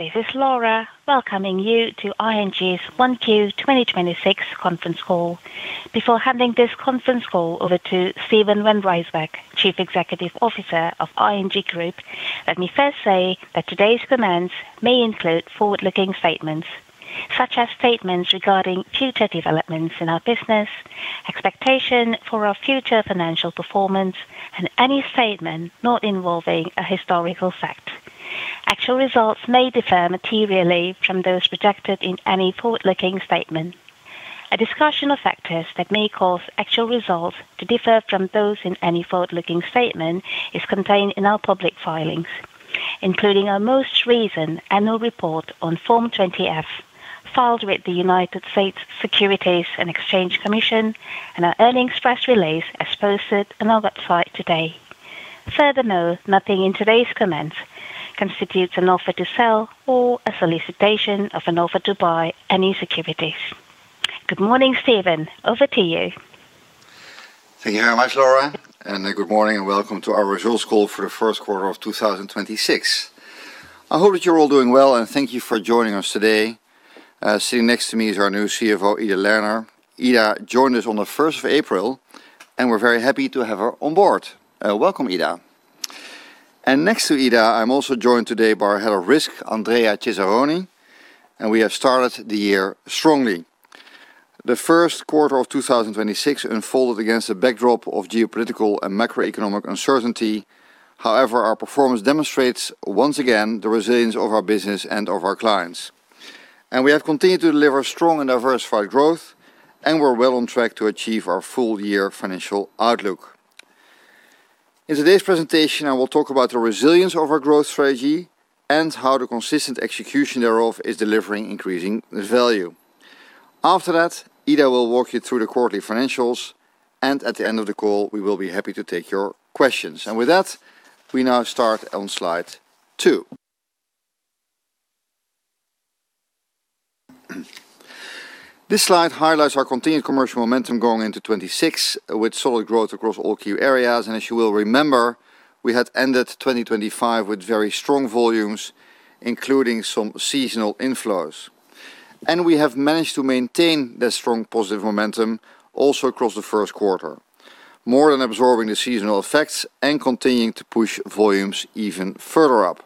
This is Laura, welcoming you to ING's 1Q 2026 conference call. Before handing this conference call over to Steven van Rijswijk, Chief Executive Officer of ING Groep, let me first say that today's comments may include forward-looking statements, such as statements regarding future developments in our business, expectation for our future financial performance, and any statement not involving a historical fact. Actual results may differ materially from those projected in any forward-looking statement. A discussion of factors that may cause actual results to differ from those in any forward-looking statement is contained in our public filings, including our most recent annual report on Form 20-F, filed with the United States Securities and Exchange Commission, and our earnings press release, as posted on our website today. Furthermore, nothing in today's comments constitutes an offer to sell or a solicitation of an offer to buy any securities. Good morning, Steven. Over to you. Thank you very much, Laura. Good morning and welcome to our results call for the first quarter of 2026. I hope that you're all doing well, and thank you for joining us today. Sitting next to me is our new CFO, Ida Lerner. Ida joined us on the 1st of April, and we're very happy to have her on board. Welcome, Ida. Next to Ida, I'm also joined today by our Head of Risk, Andrea Cesaroni, and we have started the year strongly. The first quarter of 2026 unfolded against the backdrop of geopolitical and macroeconomic uncertainty. However, our performance demonstrates once again the resilience of our business and of our clients. We have continued to deliver strong and diversified growth, and we're well on track to achieve our full-year financial outlook. In today's presentation, I will talk about the resilience of our growth strategy and how the consistent execution thereof is delivering increasing value. After that, Ida will walk you through the quarterly financials. At the end of the call, we will be happy to take your questions. With that, we now start on Slide 2. This slide highlights our continued commercial momentum going into 2026, with solid growth across all key areas. As you will remember, we had ended 2025 with very strong volumes, including some seasonal inflows. We have managed to maintain the strong positive momentum also across the first quarter, more than absorbing the seasonal effects and continuing to push volumes even further up.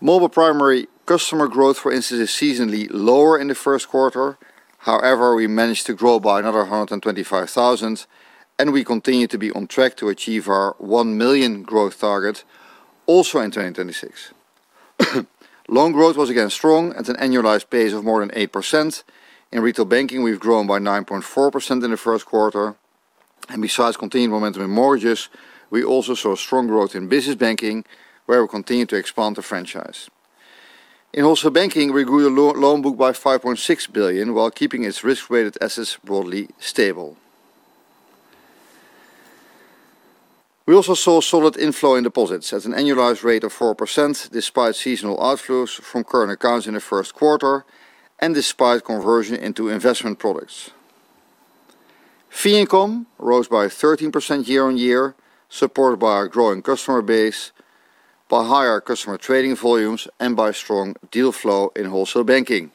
Mobile primary customer growth, for instance, is seasonally lower in the first quarter. We managed to grow by another 125,000, and we continue to be on track to achieve our 1 million growth target also in 2026. Loan growth was again strong at an annualized pace of more than 8%. In retail banking, we've grown by 9.4% in the first quarter. Besides continued momentum in mortgages, we also saw strong growth in business banking, where we continue to expand the franchise. In Wholesale Banking, we grew the loan book by 5.6 billion while keeping its risk-weighted assets broadly stable. We also saw solid inflow in deposits at an annualized rate of 4% despite seasonal outflows from current accounts in the first quarter and despite conversion into investment products. Fee income rose by 13% year-on-year, supported by our growing customer base, by higher customer trading volumes, and by strong deal flow in Wholesale Banking.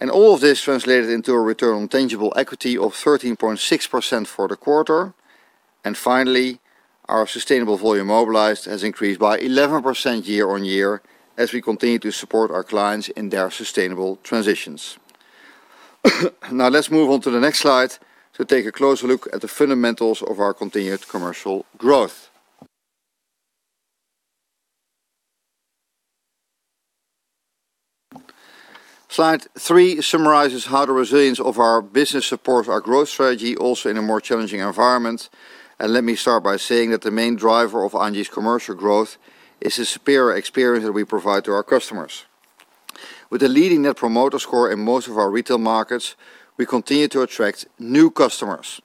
All of this translated into a return on tangible equity of 13.6% for the quarter. Finally, our sustainable volume mobilized has increased by 11% year-on-year as we continue to support our clients in their sustainable transitions. Let's move on to the next slide to take a closer look at the fundamentals of our continued commercial growth. Slide 3 summarizes how the resilience of our business supports our growth strategy also in a more challenging environment. Let me start by saying that the main driver of ING's commercial growth is the superior experience that we provide to our customers. With a leading Net Promoter Score in most of our retail markets, we continue to attract new customers,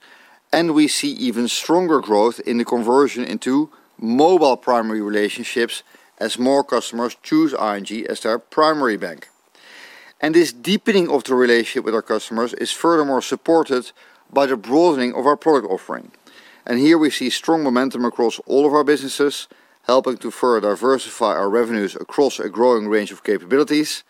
we see even stronger growth in the conversion into mobile primary relationships as more customers choose ING as their primary bank. This deepening of the relationship with our customers is furthermore supported by the broadening of our product offering. Here we see strong momentum across all of our businesses, helping to further diversify our revenues across a growing range of capabilities.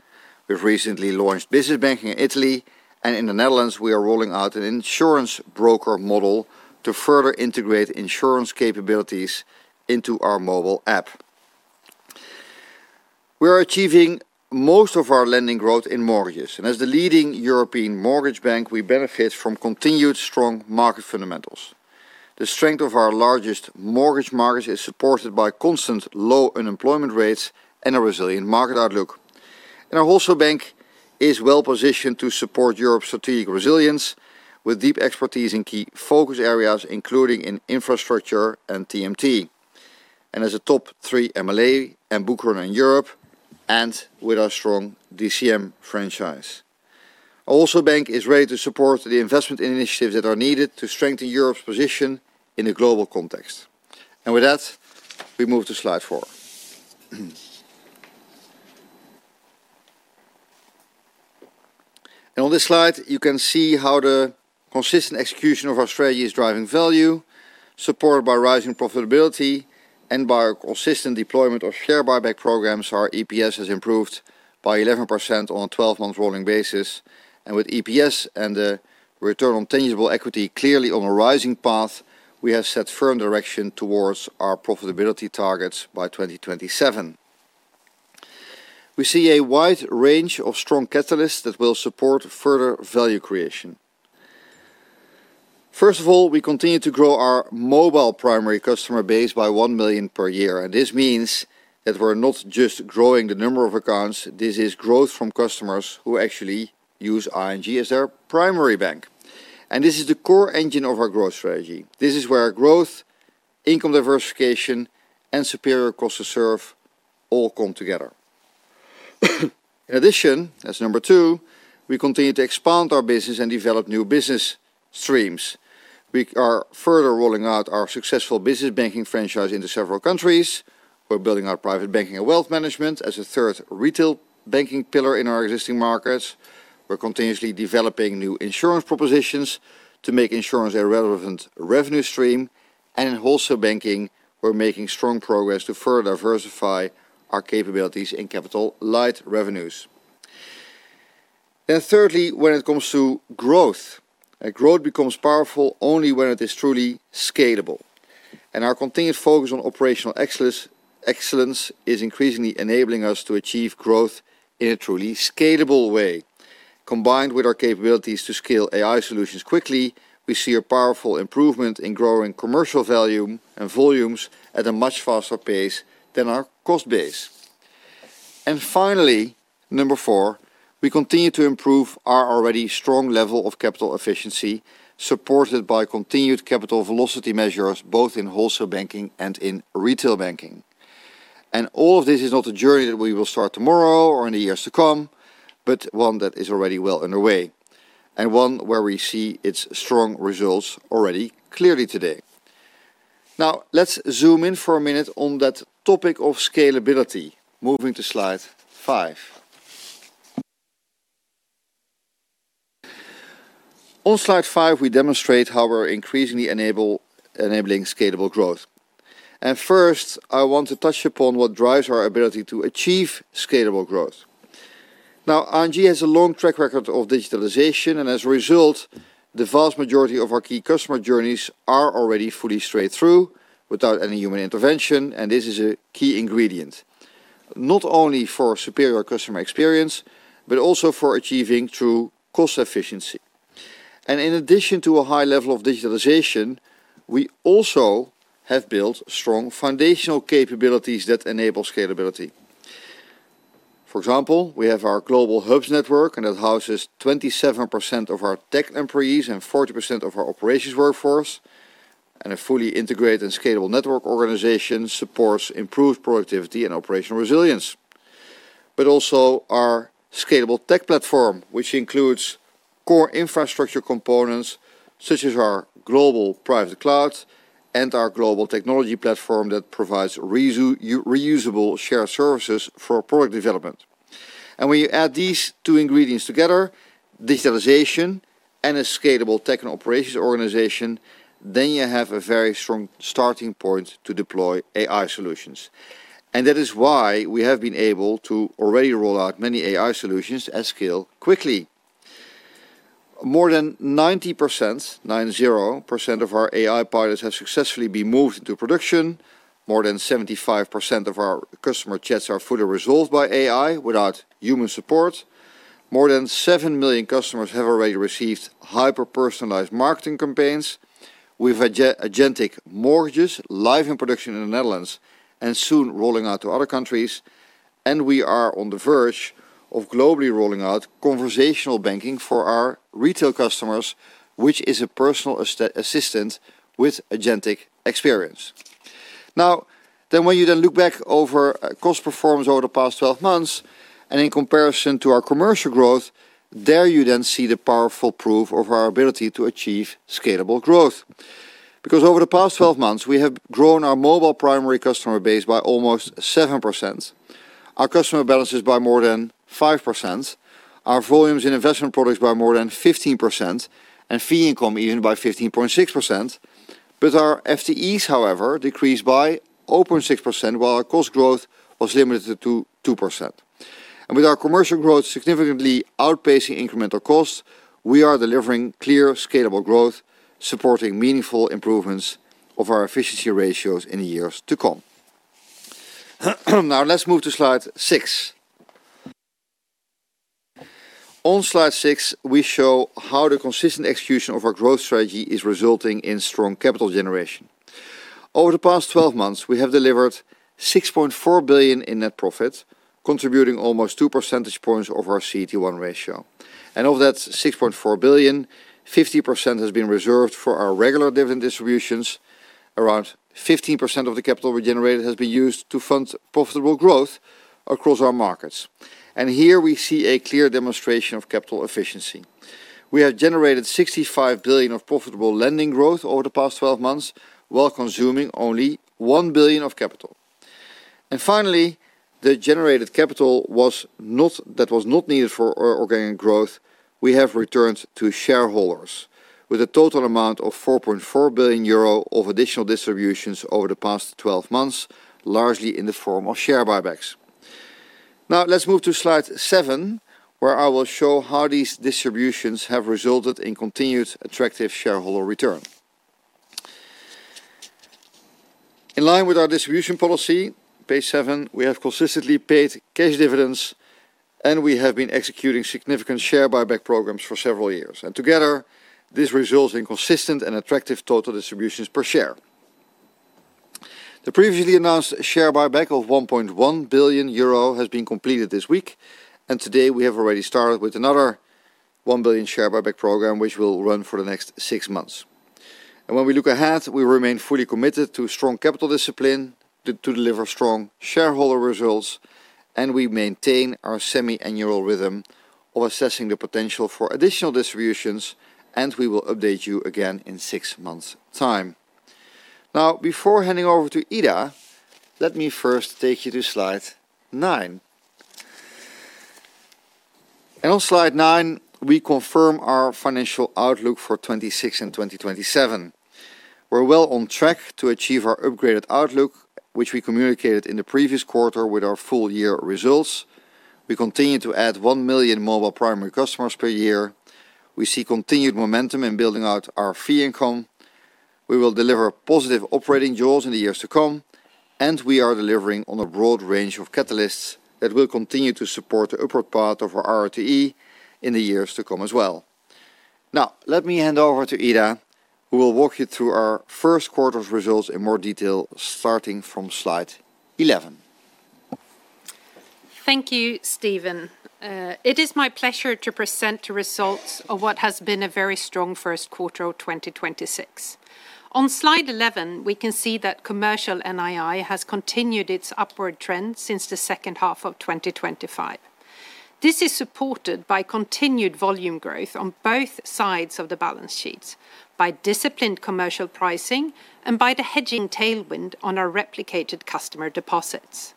We've recently launched business banking in Italy, and in the Netherlands, we are rolling out an insurance broker model to further integrate insurance capabilities into our mobile app. We are achieving most of our lending growth in mortgages, and as the leading European mortgage bank, we benefit from continued strong market fundamentals. The strength of our largest mortgage markets is supported by constant low unemployment rates and a resilient market outlook. Our Wholesale Bank is well-positioned to support Europe's strategic resilience with deep expertise in key focus areas, including in infrastructure and TMT. As a top 3 MLA and bookrunner in Europe, and with our strong DCM franchise, our Wholesale Bank is ready to support the investment initiatives that are needed to strengthen Europe's position in a global context. With that, we move to Slide 4. On this slide, you can see how the consistent execution of our strategy is driving value, supported by rising profitability and by our consistent deployment of share buyback programs. Our EPS has improved by 11% on a 12-month rolling basis. With EPS and the return on tangible equity clearly on a rising path, we have set firm direction towards our profitability targets by 2027. We see a wide range of strong catalysts that will support further value creation. First of all, we continue to grow our mobile primary customer base by 1 million per year. This means that we're not just growing the number of accounts, this is growth from customers who actually use ING as their primary bank. This is the core engine of our growth strategy. This is where growth, income diversification, and superior cost to serve all come together. In addition, as number two, we continue to expand our business and develop new business streams. We are further rolling out our successful business banking franchise into several countries. We're building our private banking and wealth management as a third retail banking pillar in our existing markets. We're continuously developing new insurance propositions to make insurance a relevant revenue stream. In wholesale banking, we're making strong progress to further diversify our capabilities in capital-light revenues. Thirdly, when it comes to growth becomes powerful only when it is truly scalable. Our continued focus on operational excellence is increasingly enabling us to achieve growth in a truly scalable way. Combined with our capabilities to scale AI solutions quickly, we see a powerful improvement in growing commercial volume at a much faster pace than our cost base. Finally, number four, we continue to improve our already strong level of capital efficiency, supported by continued capital velocity measures, both in wholesale banking and in retail banking. All of this is not a journey that we will start tomorrow or in the years to come, but one that is already well underway, and one where we see its strong results already clearly today. Let's zoom in for a minute on that topic of scalability. Moving to Slide 5. On Slide 5, we demonstrate how we're increasingly enabling scalable growth. First, I want to touch upon what drives our ability to achieve scalable growth. ING has a long track record of digitalization, and as a result, the vast majority of our key customer journeys are already fully straight-through without any human intervention. This is a key ingredient, not only for superior customer experience, but also for achieving true cost efficiency. In addition to a high level of digitalization, we also have built strong foundational capabilities that enable scalability. For example, we have our global hubs network, and that houses 27% of our tech employees and 40% of our operations workforce. A fully integrated and scalable network organization supports improved productivity and operational resilience. Also our scalable tech platform, which includes core infrastructure components such as our global private cloud and our global technology platform that provides reusable shared services for product development. When you add these two ingredients together, digitalization and a scalable tech and operations organization, then you have a very strong starting point to deploy AI solutions. That is why we have been able to already roll out many AI solutions and scale quickly. More than 90% of our AI pilots have successfully been moved into production. More than 75% of our customer chats are fully resolved by AI without human support. More than 7 million customers have already received hyper-personalized marketing campaigns. We have agentic mortgages live in production in the Netherlands and soon rolling out to other countries. We are on the verge of globally rolling out conversational banking for our retail customers, which is a personal assistant with agentic experience. When you then look back over cost performance over the past 12 months and in comparison to our commercial growth, there you then see the powerful proof of our ability to achieve scalable growth. Over the past 12 months, we have grown our mobile primary customer base by almost 7%, our customer balances by more than 5%, our volumes in investment products by more than 15%, and fee income even by 15.6%. Our FTEs, however, decreased by 0.6%, while our cost growth was limited to 2%. With our commercial growth significantly outpacing incremental costs, we are delivering clear scalable growth, supporting meaningful improvements of our efficiency ratios in the years to come. Now let's move to Slide 6. On Slide 6, we show how the consistent execution of our growth strategy is resulting in strong capital generation. Over the past 12 months, we have delivered 6.4 billion in net profit, contributing almost 2 percentage points of our CET1 ratio. Of that 6.4 billion, 50% has been reserved for our regular dividend distributions. Around 15% of the capital we generated has been used to fund profitable growth across our markets. Here we see a clear demonstration of capital efficiency. We have generated 65 billion of profitable lending growth over the past 12 months while consuming only 1 billion of capital. Finally, the generated capital was not needed for our organic growth, we have returned to shareholders with a total amount of 4.4 billion euro of additional distributions over the past 12 months, largely in the form of share buybacks. Let's move to Slide 7, where I will show how these distributions have resulted in continued attractive shareholder return. In line with our distribution policy, page seven, we have consistently paid cash dividends, and we have been executing significant share buyback programs for several years. Together this results in consistent and attractive total distributions per share. The previously announced share buyback of 1.1 billion euro has been completed this week, and today we have already started with another 1 billion share buyback program, which will run for the next six months. When we look ahead, we remain fully committed to strong capital discipline to deliver strong shareholder results. We maintain our semi-annual rhythm of assessing the potential for additional distributions, and we will update you again in six months' time. Now, before handing over to Ida, let me first take you to Slide 9. On Slide 9, we confirm our financial outlook for 2026 and 2027. We are well on track to achieve our upgraded outlook, which we communicated in the previous quarter with our full year results. We continue to add 1 million mobile primary customers per year. We see continued momentum in building out our fee income. We will deliver positive operating jaws in the years to come, and we are delivering on a broad range of catalysts that will continue to support the upward path of our ROTE in the years to come as well. Now let me hand over to Ida, who will walk you through our first quarter's results in more detail, starting from Slide 11. Thank you, Steven. It is my pleasure to present the results of what has been a very strong first quarter of 2026. On Slide 11, we can see that commercial NII has continued its upward trend since the second half of 2025. This is supported by continued volume growth on both sides of the balance sheets by disciplined commercial pricing and by the hedging tailwind on our replicated customer deposits.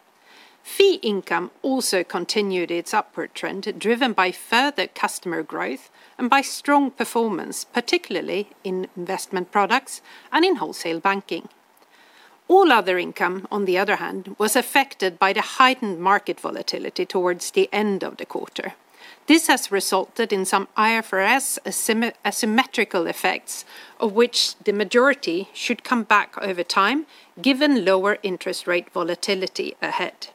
Fee income also continued its upward trend, driven by further customer growth and by strong performance, particularly in investment products and in wholesale banking. All other income, on the other hand, was affected by the heightened market volatility towards the end of the quarter. This has resulted in some IFRS asymmetrical effects, of which the majority should come back over time, given lower interest rate volatility ahead.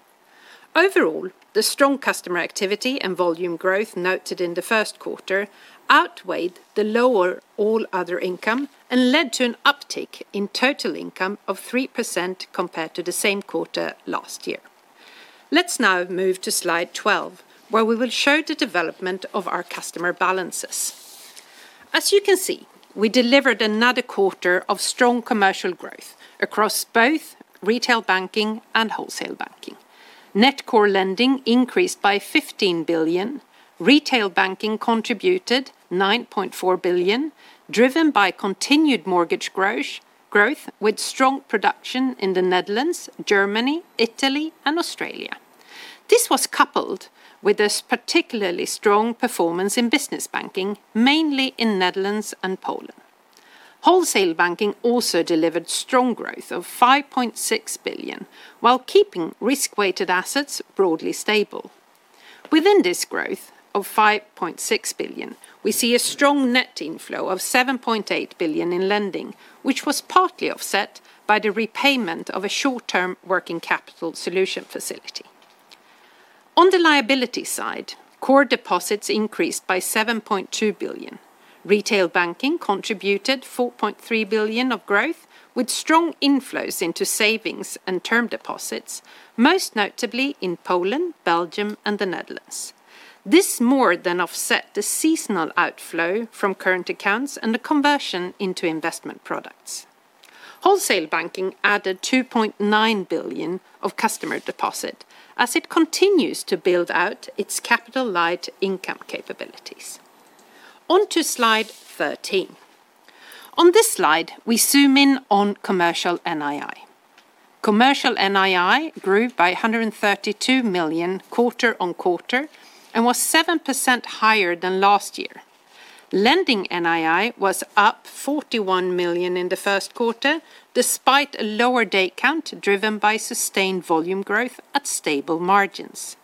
Overall, the strong customer activity and volume growth noted in the first quarter outweighed the lower all other income and led to an uptick in total income of 3% compared to the same quarter last year. Let's now move to Slide 12, where we will show the development of our customer balances. As you can see, we delivered another quarter of strong commercial growth across both retail banking and wholesale banking. Net core lending increased by 15 billion. Retail banking contributed 9.4 billion, driven by continued mortgage growth with strong production in the Netherlands, Germany, Italy, and Australia. This was coupled with a particularly strong performance in business banking, mainly in Netherlands and Poland. Wholesale banking also delivered strong growth of 5.6 billion while keeping risk-weighted assets broadly stable. Within this growth of 5.6 billion, we see a strong net inflow of 7.8 billion in lending, which was partly offset by the repayment of a short-term working capital solution facility. On the liability side, core deposits increased by 7.2 billion. Retail banking contributed 4.3 billion of growth, with strong inflows into savings and term deposits, most notably in Poland, Belgium, and the Netherlands. This more than offset the seasonal outflow from current accounts and the conversion into investment products. Wholesale banking added 2.9 billion of customer deposit as it continues to build out its capital light income capabilities. On to Slide 13. On this slide, we zoom in on commercial NII. Commercial NII grew by 132 million quarter-on-quarter and was 7% higher than last year. Lending NII was up 41 million in the first quarter, despite a lower day count driven by sustained volume growth at stable margins.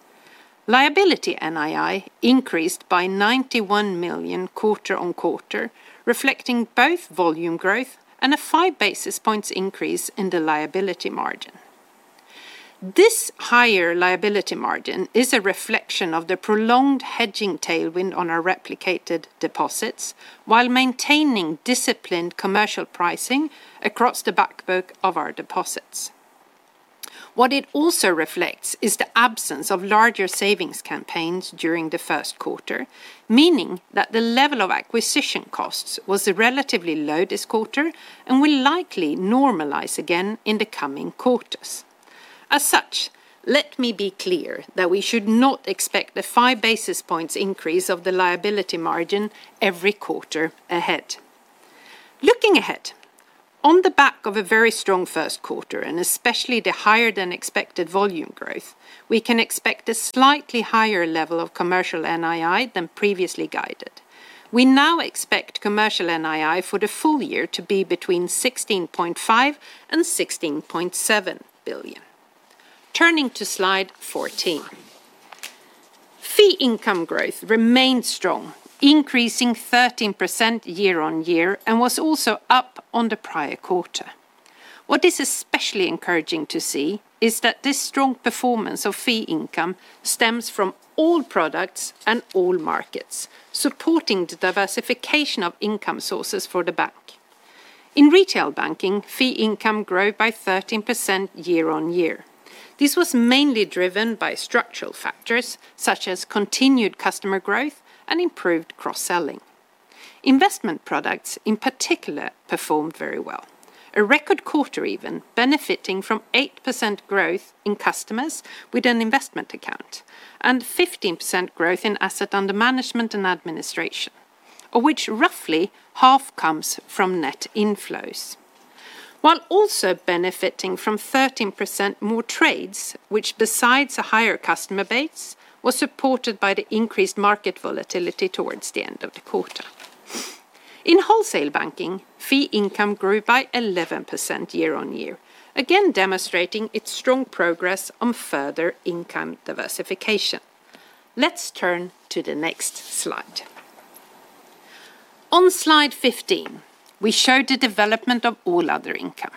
Liability NII increased by 91 million quarter-on-quarter, reflecting both volume growth and a 5 basis points increase in the liability margin. This higher liability margin is a reflection of the prolonged hedging tailwind on our replicated deposits while maintaining disciplined commercial pricing across the backbone of our deposits. What it also reflects is the absence of larger savings campaigns during the first quarter, meaning that the level of acquisition costs was relatively low this quarter and will likely normalize again in the coming quarters. Let me be clear that we should not expect the 5 basis points increase of the liability margin every quarter ahead. Looking ahead, on the back of a very strong first quarter, and especially the higher than expected volume growth, we can expect a slightly higher level of commercial NII than previously guided. We now expect commercial NII for the full year to be between 16.5 billion and 16.7 billion. Turning to Slide 14. Fee income growth remained strong, increasing 13% year-on-year, and was also up on the prior quarter. What is especially encouraging to see is that this strong performance of fee income stems from all products and all markets, supporting the diversification of income sources for the bank. In retail banking, fee income grew by 13% year-on-year. This was mainly driven by structural factors, such as continued customer growth and improved cross-selling. investment products in particular performed very well. A record quarter even benefiting from 8% growth in customers with an investment account and 15% growth in asset under management and administration, of which roughly half comes from net inflows. While also benefiting from 13% more trades, which besides a higher customer base, was supported by the increased market volatility towards the end of the quarter. In wholesale banking, fee income grew by 11% year-on-year, again demonstrating its strong progress on further income diversification. Let's turn to the next slide. On Slide 15, we show the development of all other income.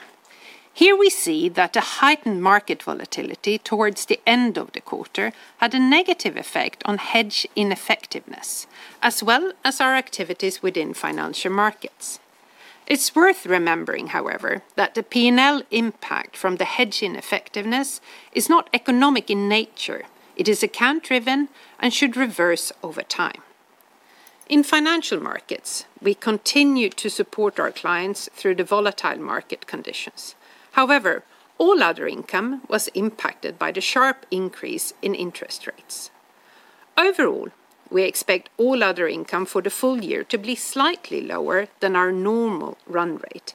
Here we see that the heightened market volatility towards the end of the quarter had a negative effect on hedge ineffectiveness, as well as our activities within financial markets. It is worth remembering, however, that the P&L impact from the hedge ineffectiveness is not economic in nature. It is account driven and should reverse over time. In financial markets, we continued to support our clients through the volatile market conditions. All other income was impacted by the sharp increase in interest rates. We expect all other income for the full year to be slightly lower than our normal run rate,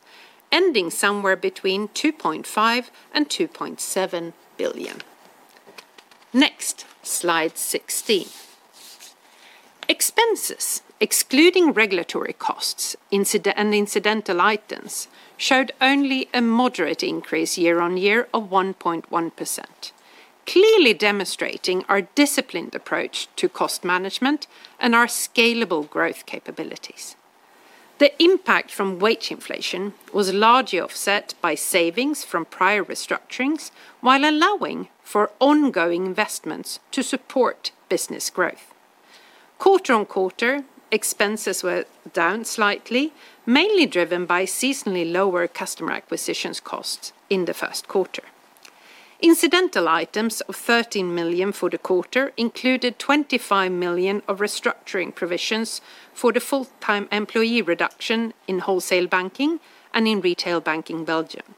ending somewhere between 2.5 billion and 2.7 billion. Next, Slide 16. Expenses, excluding regulatory costs and incidental items, showed only a moderate increase year-over-year of 1.1%, clearly demonstrating our disciplined approach to cost management and our scalable growth capabilities. The impact from wage inflation was largely offset by savings from prior restructurings while allowing for ongoing investments to support business growth. Quarter-on-quarter, expenses were down slightly, mainly driven by seasonally lower customer acquisition costs in the first quarter. Incidental items of 13 million for the quarter included 25 million of restructuring provisions for the full-time employee reduction in wholesale banking and in retail banking Belgium.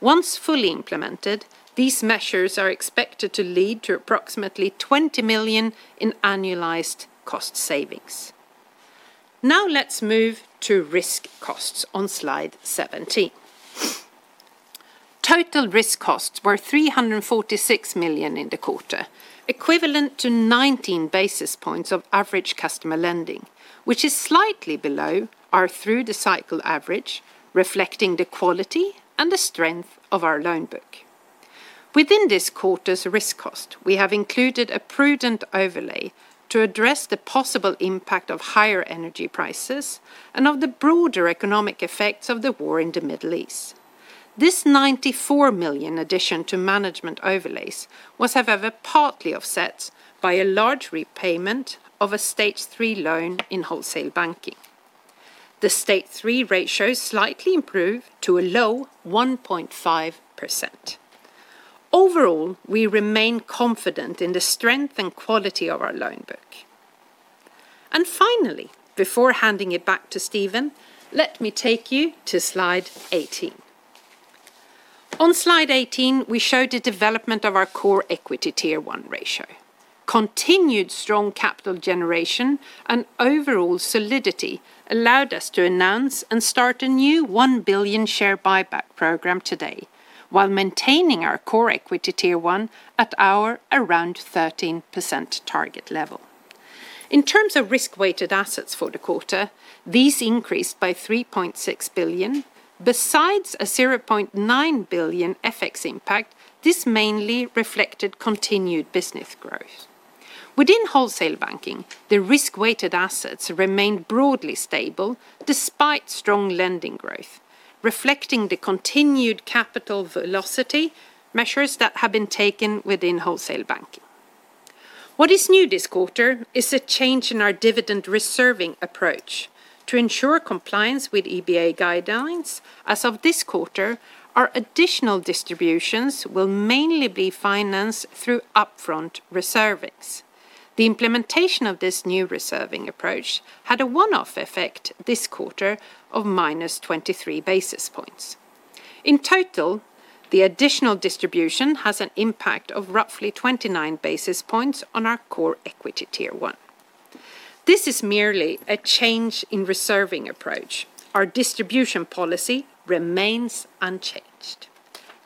Once fully implemented, these measures are expected to lead to approximately 20 million in annualized cost savings. Let's move to risk costs on Slide 17. Total risk costs were 346 million in the quarter, equivalent to 19 basis points of average customer lending, which is slightly below our through the cycle average, reflecting the quality and the strength of our loan book. Within this quarter's risk cost, we have included a prudent overlay to address the possible impact of higher energy prices and of the broader economic effects of the war in the Middle East. This 94 million addition to management overlays was, however, partly offset by a large repayment of a Stage 3 loan in Wholesale Banking. The Stage 3 ratio slightly improved to a low 1.5%. We remain confident in the strength and quality of our loan book. Finally, before handing it back to Steven, let me take you to Slide 18. On Slide 18, we show the development of our Core Equity Tier 1 ratio. Continued strong capital generation and overall solidity allowed us to announce and start a new 1 billion share buyback program today while maintaining our Core Equity Tier 1 at our around 13% target level. In terms of risk-weighted assets for the quarter, these increased by 3.6 billion. Besides a 0.9 billion FX impact, this mainly reflected continued business growth. Within wholesale banking, the risk-weighted assets remained broadly stable despite strong lending growth, reflecting the continued capital velocity measures that have been taken within Wholesale Banking. What is new this quarter is a change in our dividend reserving approach to ensure compliance with EBA guidelines. As of this quarter, our additional distributions will mainly be financed through upfront reservings. The implementation of this new reserving approach had a one-off effect this quarter of -23 basis points. In total, the additional distribution has an impact of roughly 29 basis points on our Core Equity Tier 1. This is merely a change in reserving approach. Our distribution policy remains unchanged.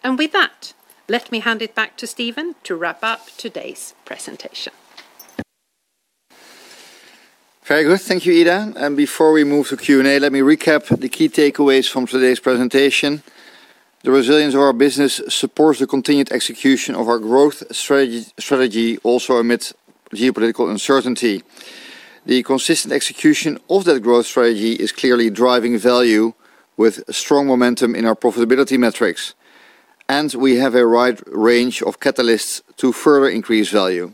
With that, let me hand it back to Steven to wrap up today's presentation. Very good. Thank you, Ida. Before we move to Q&A, let me recap the key takeaways from today's presentation. The resilience of our business supports the continued execution of our growth strategy also amidst geopolitical uncertainty. The consistent execution of that growth strategy is clearly driving value with strong momentum in our profitability metrics. We have a wide range of catalysts to further increase value.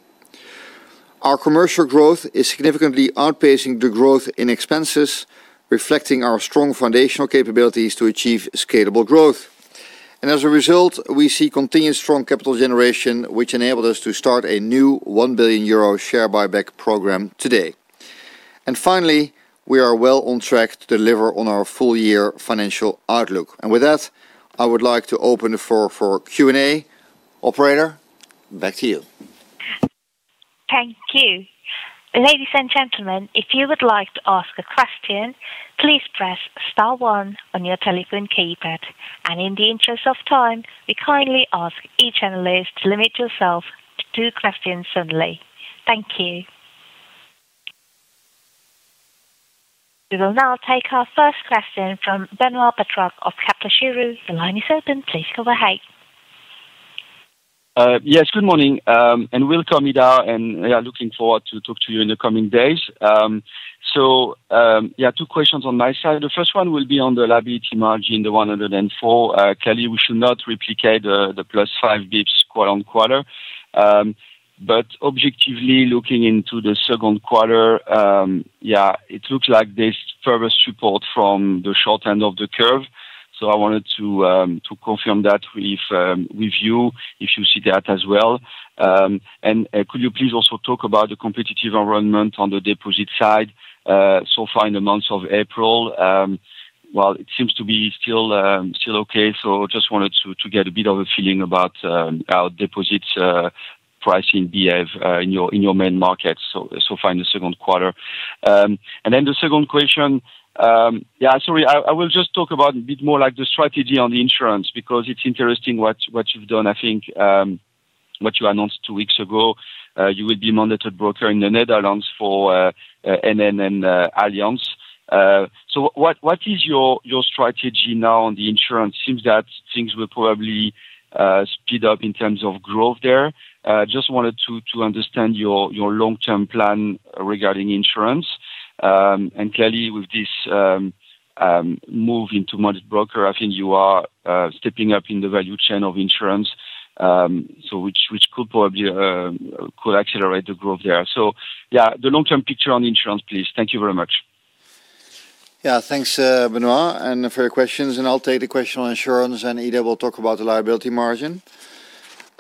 Our commercial growth is significantly outpacing the growth in expenses, reflecting our strong foundational capabilities to achieve scalable growth. As a result, we see continued strong capital generation, which enabled us to start a new 1 billion euro share buyback program today. Finally, we are well on track to deliver on our full year financial outlook. With that, I would like to open the floor for Q&A. Operator, back to you. Thank you. Ladies and gentlemen, if you would like to ask a question, please press star one on your telephone keypad. In the interest of time, we kindly ask each analyst to limit yourself to two questions only. Thank you. We will now take our first question from Benoît Pétrarque of Kepler Cheuvreux. The line is open. Please go ahead. Yes, good morning. Welcome, Ida, and yeah, looking forward to talk to you in the coming days. Yeah, two questions on my side. The first one will be on the liability margin, the 104. Clearly we should not replicate the +5 basis points quarter-over-quarter. Objectively looking into the second quarter, yeah, it looks like there's further support from the short end of the curve. I wanted to confirm that with you if you see that as well. Could you please also talk about the competitive environment on the deposit side, so far in the months of April? Well, it seems to be still okay. Just wanted to get a bit of a feeling about our deposits pricing behave in your main markets so far in the second quarter. Then the second question, yeah, sorry, I will just talk about a bit more like the strategy on the insurance because it's interesting what you've done, I think, what you announced two weeks ago. You would be mandated broker in the Netherlands for NN and Allianz. What is your strategy now on the insurance? Seems that things will probably speed up in terms of growth there. Just wanted to understand your long-term plan regarding insurance. Clearly with this move into mandated broker, I think you are stepping up in the value chain of insurance, which could probably accelerate the growth there. The long-term picture on insurance, please. Thank you very much. Yeah. Thanks, Benoit, and for your questions, and I'll take the question on insurance, and Ida will talk about the liability margin.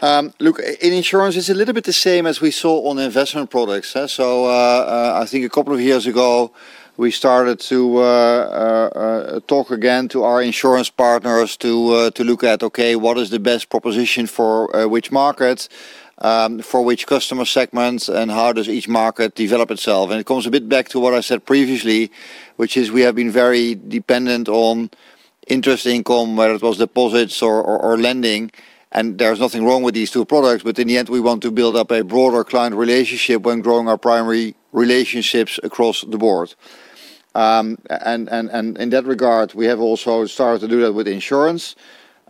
Look, in insurance, it's a little bit the same as we saw on investment products, so I think a couple of years ago we started to talk again to our insurance partners to look at, okay, what is the best proposition for which market, for which customer segments, and how does each market develop itself? It comes a bit back to what I said previously, which is we have been very dependent on interest income, whether it was deposits or lending, and there is nothing wrong with these two products, but in the end, we want to build up a broader client relationship when growing our primary relationships across the board. In that regard, we have also started to do that with insurance.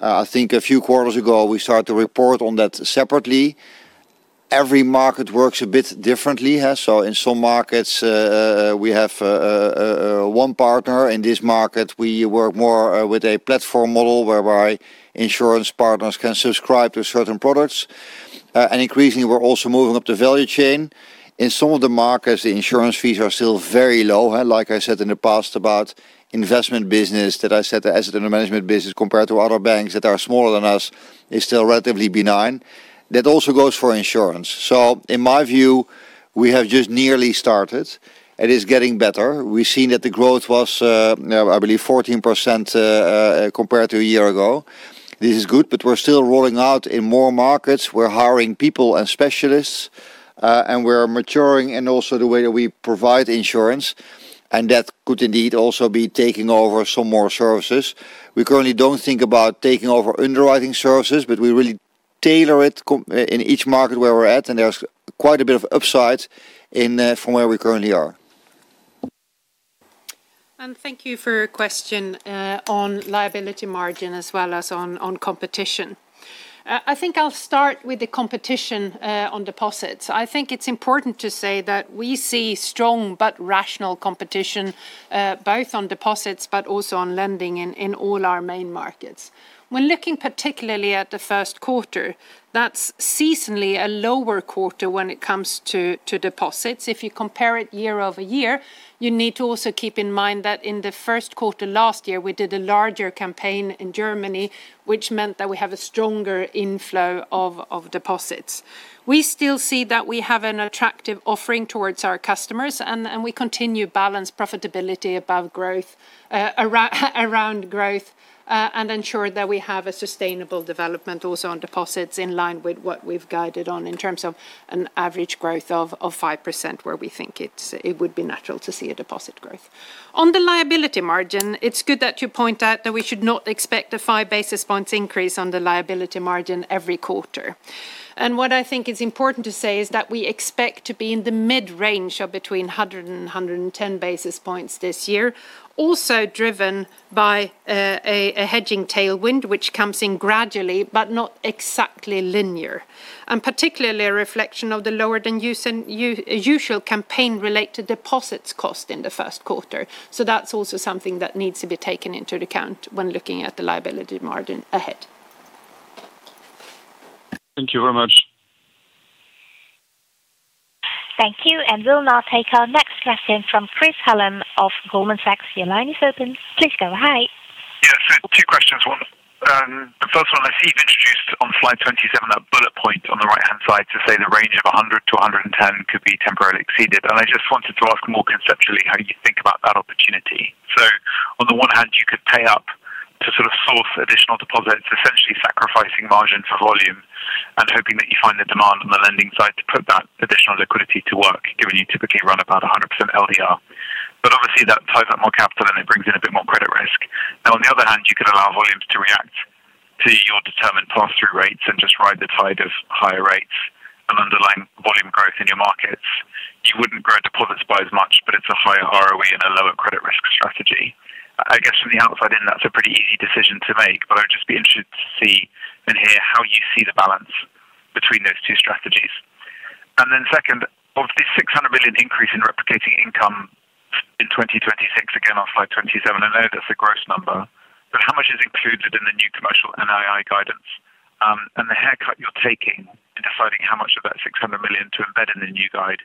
I think a few quarters ago we started to report on that separately. Every market works a bit differently, huh? In some markets, uh, we have, uh, one partner. In this market, we work more with a platform model whereby insurance partners can subscribe to certain products. Increasingly we're also moving up the value chain. In some of the markets, the insurance fees are still very low, huh, like I said in the past about investment business, that I said the asset under management business compared to other banks that are smaller than us is still relatively benign. That also goes for insurance. In my view, we have just nearly started. It is getting better. We've seen that the growth was, you know, I believe 14%, compared to a year ago. This is good, but we're still rolling out in more markets. We're hiring people and specialists, and we are maturing in also the way that we provide insurance, and that could indeed also be taking over some more services. We currently don't think about taking over underwriting services, but we really tailor it in each market where we're at, and there's quite a bit of upside in, from where we currently are. Thank you for your question on liability margin as well as on competition. I think I'll start with the competition on deposits. I think it's important to say that we see strong but rational competition, both on deposits, but also on lending in all our main markets. When looking particularly at the first quarter, that's seasonally a lower quarter when it comes to deposits. If you compare it year-over-year, you need to also keep in mind that in the first quarter last year, we did a larger campaign in Germany, which meant that we have a stronger inflow of deposits. We still see that we have an attractive offering towards our customers and we continue balance profitability above growth, around growth, and ensure that we have a sustainable development also on deposits in line with what we've guided on in terms of an average growth of 5% where we think it would be natural to see a deposit growth. On the liability margin, it's good that you point out that we should not expect a 5 basis points increase on the liability margin every quarter. What I think is important to say is that we expect to be in the mid-range of between 100 and 110 basis points this year. Also driven by a hedging tailwind which comes in gradually but not exactly linear. Particularly a reflection of the lower than usual campaign related deposits cost in the first quarter. That's also something that needs to be taken into account when looking at the liability margin ahead. Thank you very much. Thank you. We'll now take our next question from Chris Hallam of Goldman Sachs. Your line is open. Please go ahead. Yeah. Two questions. One, the first one I see you've introduced on Slide 27, that bullet point on the right-hand side to say the range of 100-110 could be temporarily exceeded. I just wanted to ask more conceptually how you think about that opportunity. On the one hand, you could pay up to sort of source additional deposits, essentially sacrificing margin for volume, and hoping that you find the demand on the lending side to put that additional liquidity to work, given you typically run about 100% LDR. Obviously that ties up more capital and it brings in a bit more credit risk. On the other hand, you could allow volumes to react to your determined pass-through rates and just ride the tide of higher rates and underlying volume growth in your markets. You wouldn't grow deposits by as much, but it's a higher ROE and a lower credit risk strategy. I guess from the outside in, that's a pretty easy decision to make, but I'd just be interested to see and hear how you see the balance between those two strategies. Second, of this 600 million increase in replicating income in 2026, again on Slide 27, I know that's a gross number, but how much is included in the new commercial NII guidance? The haircut you're taking in deciding how much of that 600 million to embed in the new guide,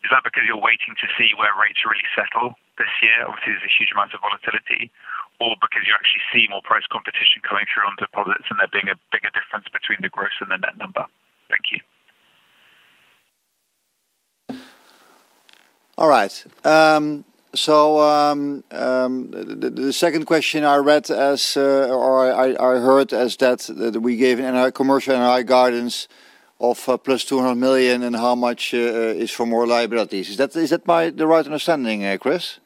is that because you're waiting to see where rates really settle this year? Obviously, there's a huge amount of volatility. Because you actually see more price competition coming through onto deposits and there being a bigger difference between the gross and the net number. Thank you. All right. The second question I read as, or I heard as that we gave commercial NII guidance of, +200 million and how much is for more liabilities. Is that my right understanding, Chris?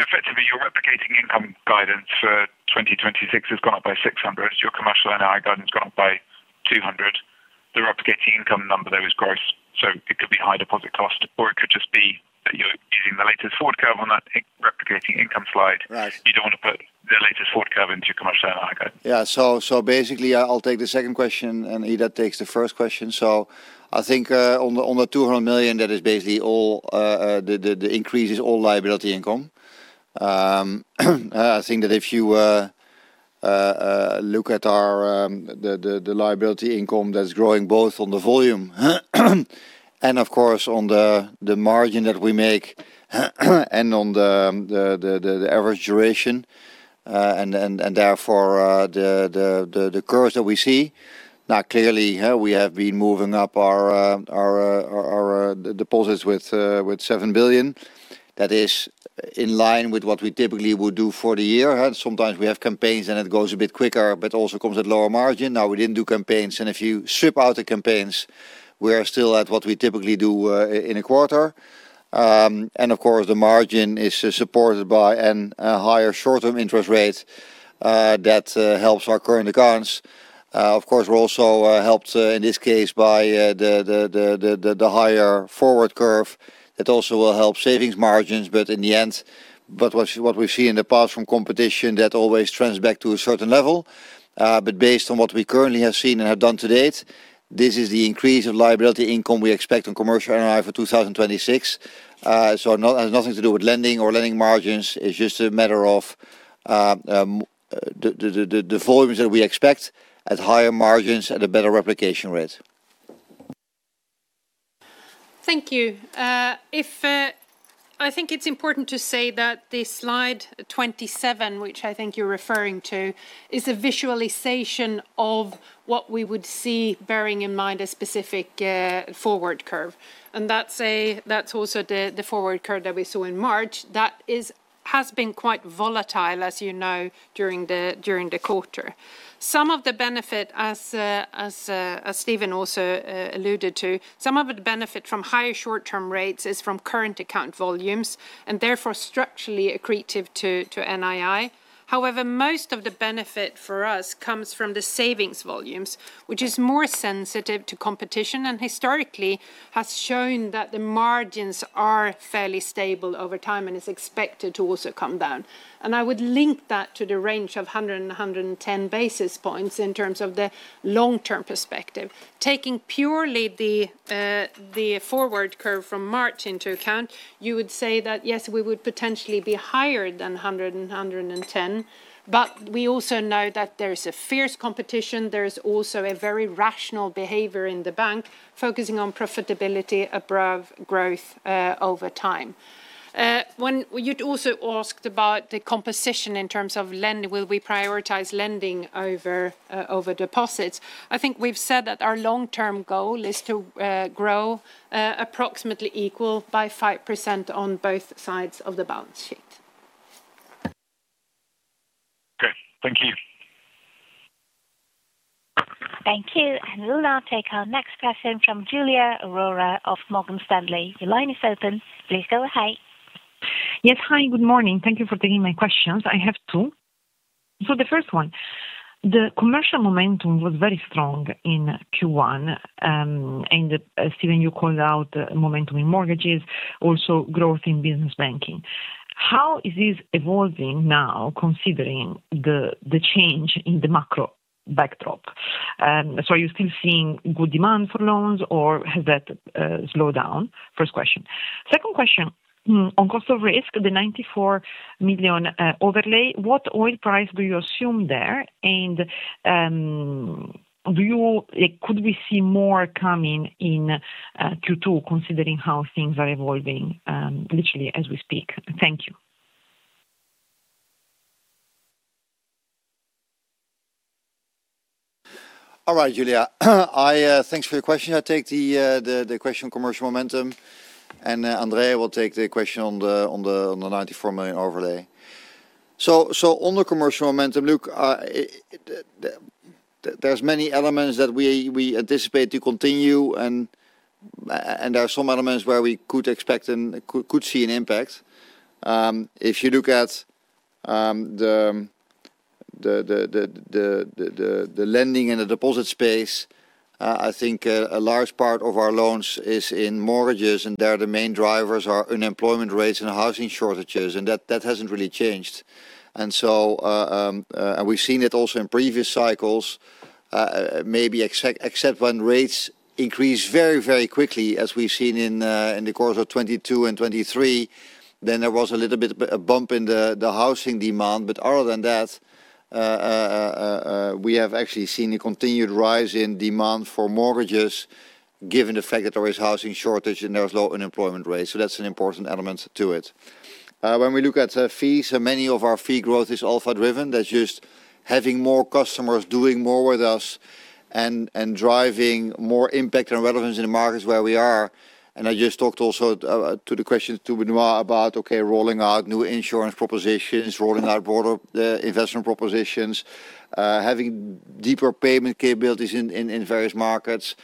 Effectively, your replicating income guidance for 2026 has gone up by 600 million. Your commercial NII guidance has gone up by 200 million. The replicating income number though is gross, so it could be high deposit cost, or it could just be that you're using the latest forward curve on that replicating income slide. Right. You don't want to put the latest forward curve into your commercial NII guide. Yeah. Basically, I'll take the second question and Ida takes the first question. I think on the 200 million, that is basically all the increase is all liability income. I think that if you look at our the liability income that's growing both on the volume and of course on the margin that we make and on the average duration and therefore the curves that we see. Now clearly, we have been moving up our deposits with 7 billion. That is in line with what we typically would do for the year. Sometimes we have campaigns and it goes a bit quicker, but also comes at lower margin. We didn't do campaigns, and if you strip out the campaigns, we are still at what we typically do in a quarter. Of course, the margin is supported by a higher short-term interest rate that helps our current accounts. Of course, we're also helped in this case by the higher forward curve. It also will help savings margins, in the end, but what we see in the past from competition, that always trends back to a certain level. Based on what we currently have seen and have done to date, this is the increase of liability income we expect on commercial NII for 2026. Has nothing to do with lending or lending margins. It's just a matter of the volumes that we expect at higher margins at a better replication rate. Thank you. I think it's important to say that the Slide 27, which I think you're referring to, is a visualization of what we would see bearing in mind a specific forward curve. That's also the forward curve that we saw in March. That has been quite volatile, as you know, during the quarter. Some of the benefit as Steven van Rijswijk also alluded to, some of the benefit from higher short-term rates is from current account volumes, and therefore structurally accretive to NII. However, most of the benefit for us comes from the savings volumes, which is more sensitive to competition and historically has shown that the margins are fairly stable over time and is expected to also come down. I would link that to the range of 100 and 110 basis points in terms of the long-term perspective. Taking purely the forward curve from March into account, you would say that yes, we would potentially be higher than 100 and 110, but we also know that there is a fierce competition. There is also a very rational behavior in the bank, focusing on profitability above growth over time. When you'd also asked about the composition in terms of lend, will we prioritize lending over deposits. I think we've said that our long-term goal is to grow approximately equal by 5% on both sides of the balance sheet. Thank you. We'll now take our next question from Giulia Aurora of Morgan Stanley. Your line is open. Please go ahead. Yes. Hi, good morning. Thank you for taking my questions. I have two. The first one, the commercial momentum was very strong in Q1. Steven, you called out momentum in mortgages, also growth in business banking. How is this evolving now considering the change in the macro backdrop? Are you still seeing good demand for loans, or has that slowed down? First question. Second question, on cost of risk, the 94 million overlay, what oil price do you assume there? Could we see more coming in Q2 considering how things are evolving literally as we speak? Thank you. All right, Giulia. I. Thanks for your question. I take the question on commercial momentum, and Andrea will take the question on the 94 million overlay. On the commercial momentum, look, there's many elements that we anticipate to continue and there are some elements where we could expect and could see an impact. If you look at the lending and the deposit space, I think a large part of our loans is in mortgages, and there the main drivers are unemployment rates and housing shortages, and that hasn't really changed. We've seen it also in previous cycles, maybe except when rates increased very, very quickly as we've seen in the course of 2022 and 2023, then there was a little bit, a bump in the housing demand. Other than that, we have actually seen a continued rise in demand for mortgages given the fact that there is housing shortage and there's low unemployment rates. That's an important element to it. When we look at fees, many of our fee growth is alpha-driven. That's just having more customers doing more with us and driving more impact and relevance in the markets where we are. I just talked also to the question to Benoit Petrarque about, okay, rolling out new insurance propositions, rolling out broader investment propositions, having deeper payment capabilities in various markets,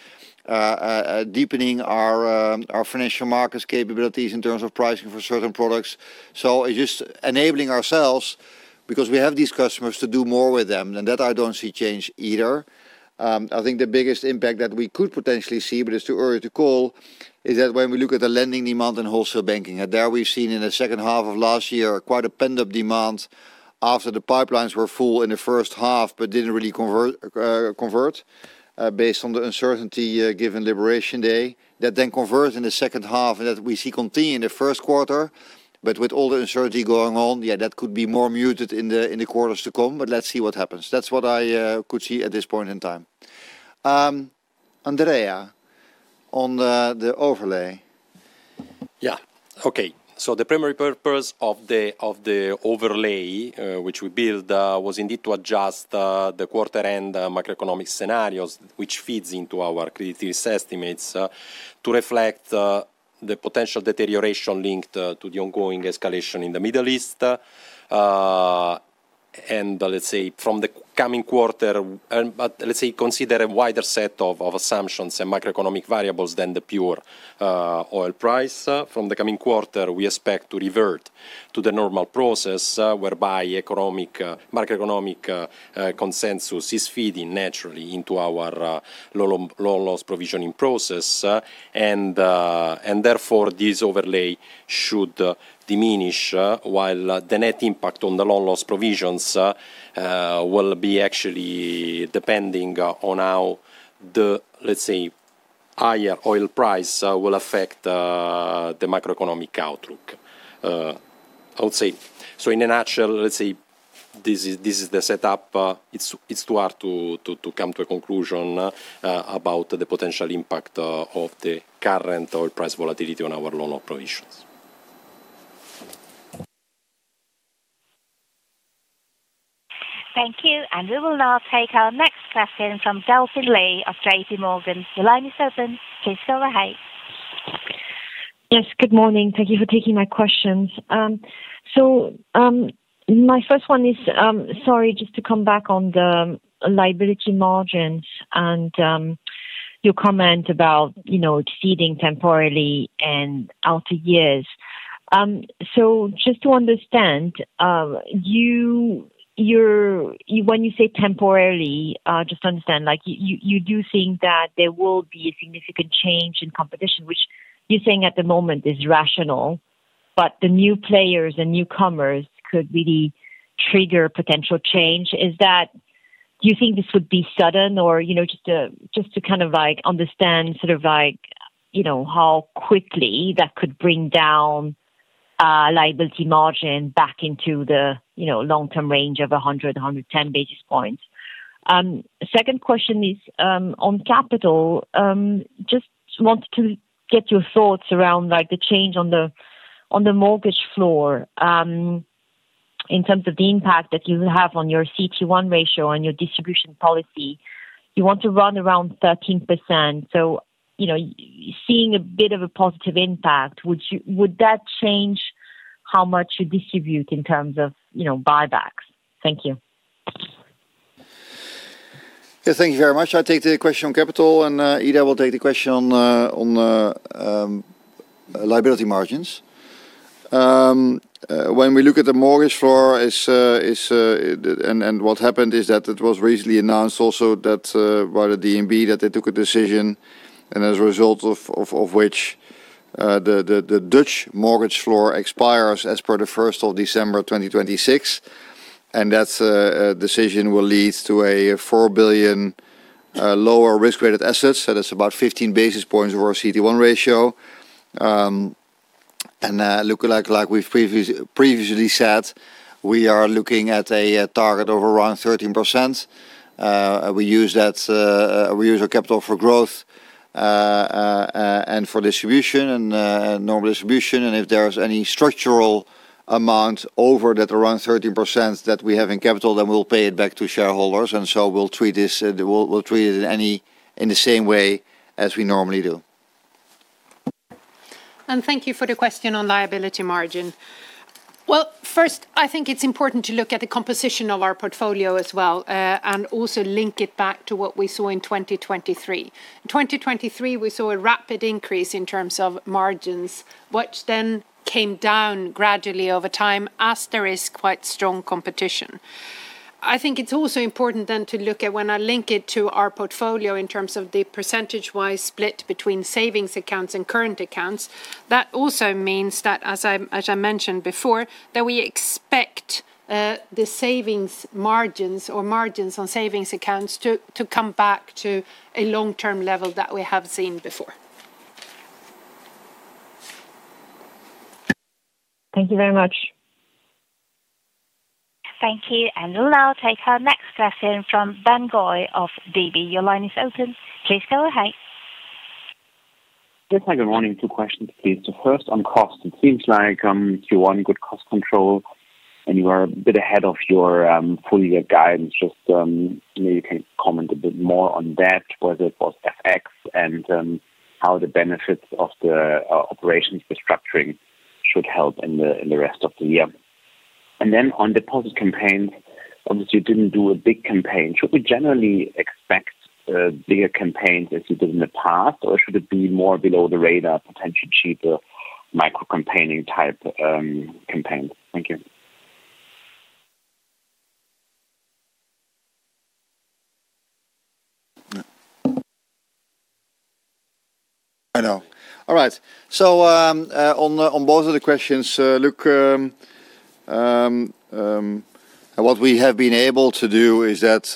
deepening our financial markets capabilities in terms of pricing for certain products. It's just enabling ourselves because we have these customers to do more with them, and that I don't see change either. I think the biggest impact that we could potentially see, but it's too early to call, is that when we look at the lending demand in wholesale banking, and there we've seen in the second half of last year quite a pent-up demand after the pipelines were full in the first half but didn't really convert based on the uncertainty given Liberation Day. That converts in the second half, and that we see continue in the first quarter. With all the uncertainty going on, that could be more muted in the quarters to come, but let's see what happens. That's what I could see at this point in time. Andrea, on the overlay. Yeah. Okay. The primary purpose of the overlay which we build was indeed to adjust the quarter-end macroeconomic scenarios which feed into our credit risk estimates to reflect the potential deterioration linked to the ongoing escalation in the Middle East. From the coming quarter, consider a wider set of assumptions and macroeconomic variables than the pure oil price. From the coming quarter, we expect to revert to the normal process whereby economic macroeconomic consensus is feeding naturally into our loss provisioning process. Therefore, this overlay should diminish while the net impact on the loan loss provisions will be actually depending on how the higher oil price will affect the macroeconomic outlook. In a nutshell, let's say this is the setup. It's too hard to come to a conclusion about the potential impact of the current oil price volatility on our loan operations. Thank you. We will now take our next question from Delphine Lee of JPMorgan. Your line is open. Please go ahead. Yes. Good morning. Thank you for taking my questions. My first one is, sorry, just to come back on the liability margins and your comment about, you know, ceding temporarily and out to years. Just to understand, when you say temporarily, just to understand, like, you do think that there will be a significant change in competition, which you're saying at the moment is rational, but the new players and newcomers could really trigger potential change. Do you think this would be sudden? Or, you know, just to kind of like understand sort of like, you know, how quickly that could bring down liability margin back into the, you know, long-term range of 100-110 basis points. Second question is on capital. Just want to get your thoughts around, like, the change on the mortgage floor, in terms of the impact that you have on your CET1 ratio and your distribution policy? You want to run around 13%, so, you know, seeing a bit of a positive impact. Would that change how much you distribute in terms of, you know, buybacks? Thank you. Yeah, thank you very much. I'll take the question on capital, and Ida will take the question on the liability margins. When we look at the mortgage floor, what happened is that it was recently announced also that by the DNB, that they took a decision, and as a result of which, the Dutch mortgage floor expires as per the first of December of 2026. That decision will lead to a 4 billion lower risk-rated assets. That's about 15 basis points of our CET1 ratio. We've previously said, we are looking at a target of around 13%. We use that, we use our capital for growth and for distribution and normal distribution. If there is any structural amount over that around 13% that we have in capital, then we'll pay it back to shareholders. We'll treat this, we'll treat it any, in the same way as we normally do. Thank you for the question on liability margin. First, I think it's important to look at the composition of our portfolio as well, and also link it back to what we saw in 2023. In 2023, we saw a rapid increase in terms of margins, which then came down gradually over time as there is quite strong competition. I think it's also important then to look at when I link it to our portfolio in terms of the percentage-wise split between savings accounts and current accounts. That also means that, as I mentioned before, that we expect the savings margins or margins on savings accounts to come back to a long-term level that we have seen before. Thank you very much. Thank you. We'll now take our next question from Ben Goy of DB. Your line is open. Please go ahead. Yes. Hi, good morning. Two questions, please. First on cost, it seems like you are on good cost control and you are a bit ahead of your full year guidance. Maybe you can comment a bit more on that, whether it was FX and how the benefits of the operations restructuring should help in the rest of the year. On deposit campaigns, obviously you didn't do a big campaign. Should we generally expect bigger campaigns as you did in the past, or should it be more below the radar, potentially cheaper microcampaigning type campaigns? Thank you. I know. All right. On both of the questions, what we have been able to do is that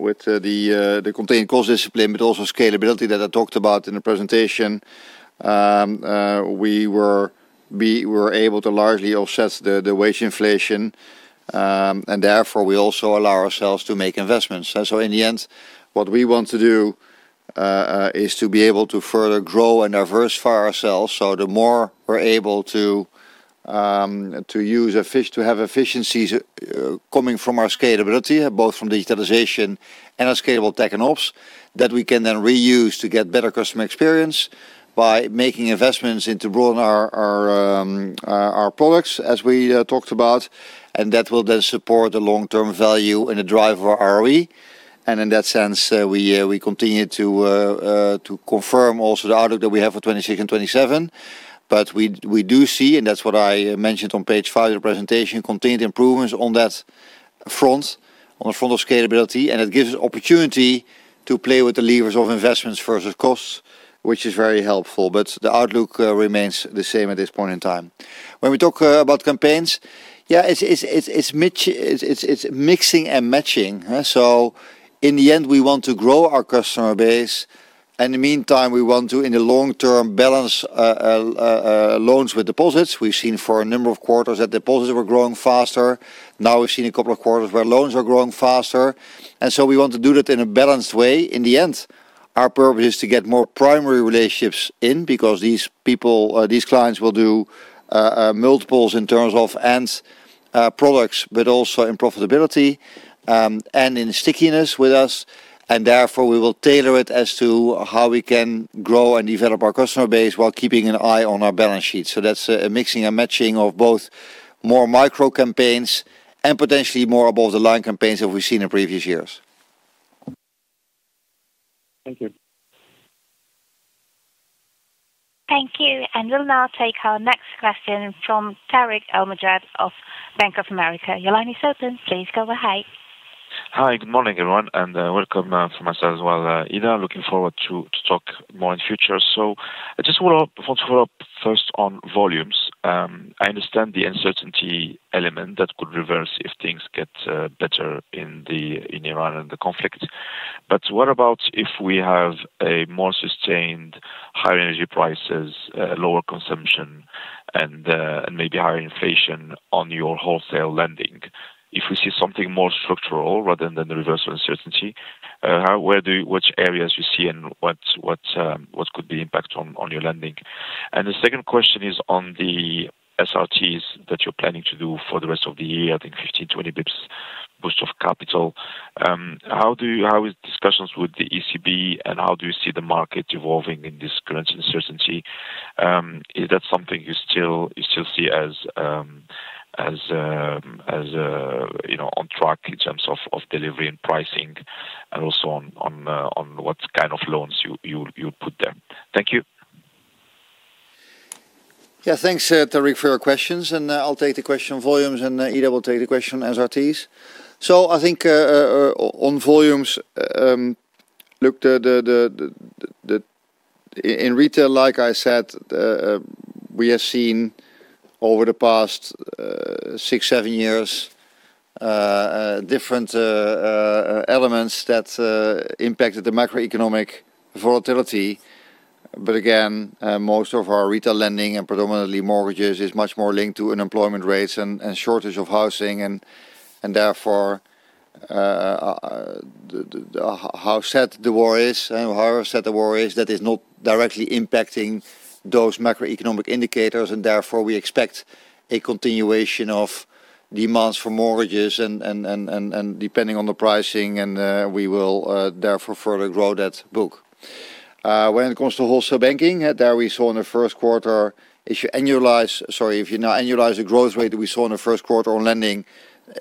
with the contained cost discipline, but also scalability that I talked about in the presentation, we were able to largely offset the wage inflation, and therefore we also allow ourselves to make investments. In the end, what we want to do is to be able to further grow and diversify ourselves. The more we're able to have efficiencies coming from our scalability, both from digitalization and our scalable tech and ops, that we can then reuse to get better customer experience by making investments into broaden our products as we talked about. That will then support the long-term value and the drive of our ROE. In that sense, we continue to confirm also the outlook that we have for 2026 and 2027. We, we do see, and that's what I mentioned on page five of the presentation, continued improvements on that front, on the front of scalability, and it gives opportunity to play with the levers of investments versus costs, which is very helpful. The outlook remains the same at this point in time. When we talk about campaigns, yeah, it's, it's mixing, it's, it's mixing and matching. In the end, we want to grow our customer base. In the meantime, we want to, in the long term, balance loans with deposits. We've seen for a number of quarters that deposits were growing faster. Now we've seen a couple of quarters where loans are growing faster. We want to do that in a balanced way. In the end, our purpose is to get more primary relationships in because these people, these clients will do multiples in terms of and products, but also in profitability, and in stickiness with us. Therefore, we will tailor it as to how we can grow and develop our customer base while keeping an eye on our balance sheet. That's a mixing and matching of both more micro campaigns and potentially more above-the-line campaigns that we've seen in previous years. Thank you. Thank you. We'll now take our next question from Tarik El Mejjad of Bank of America. Your line is open. Please go ahead. Hi. Good morning, everyone, and welcome from myself as well, Ida. Looking forward to talk more in future. I just want to follow up first on volumes. I understand the uncertainty element that could reverse if things get better in Iran and the conflict. What about if we have a more sustained higher energy prices, lower consumption and maybe higher inflation on your wholesale lending? If we see something more structural rather than the reversal uncertainty, how, where do, which areas you see and what could be impact on your lending? The second question is on the SRTs that you are planning to do for the rest of the year, I think 15, 20 basis points push of capital. How is discussions with the ECB and how do you see the market evolving in this current uncertainty? Is that something you still see as, you know, on track in terms of delivery and pricing and also on what kind of loans you put there? Thank you. Yeah. Thanks, Tarik, for your questions. I'll take the question on volumes, and Ida will take the question on SRTs. I think on volumes, look in retail, like I said, we have seen over the past six, seven years different elements that impacted the macroeconomic volatility. Again, most of our retail lending and predominantly mortgages is much more linked to unemployment rates and shortage of housing and therefore how sad the war is, however sad the war is, that is not directly impacting those macroeconomic indicators. Therefore we expect a continuation of demands for mortgages and depending on the pricing and we will therefore further grow that book. When it comes to wholesale banking, there we saw in the first quarter if you annualize, sorry, if you now annualize the growth rate that we saw in the first quarter on lending,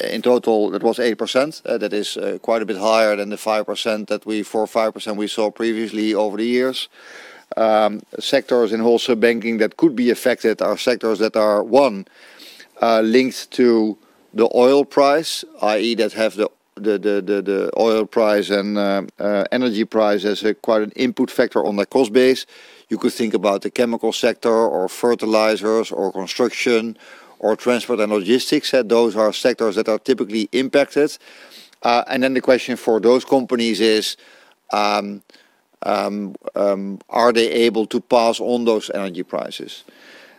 in total it was 8%. That is quite a bit higher than the 5% that 4%, 5% we saw previously over the years. Sectors in wholesale banking that could be affected are sectors that are, one, linked to the oil price, i.e., that have the oil price and energy price as a quite an input factor on the cost base. You could think about the chemical sector or fertilizers or construction or transport and logistics. Those are sectors that are typically impacted. The question for those companies is, are they able to pass on those energy prices?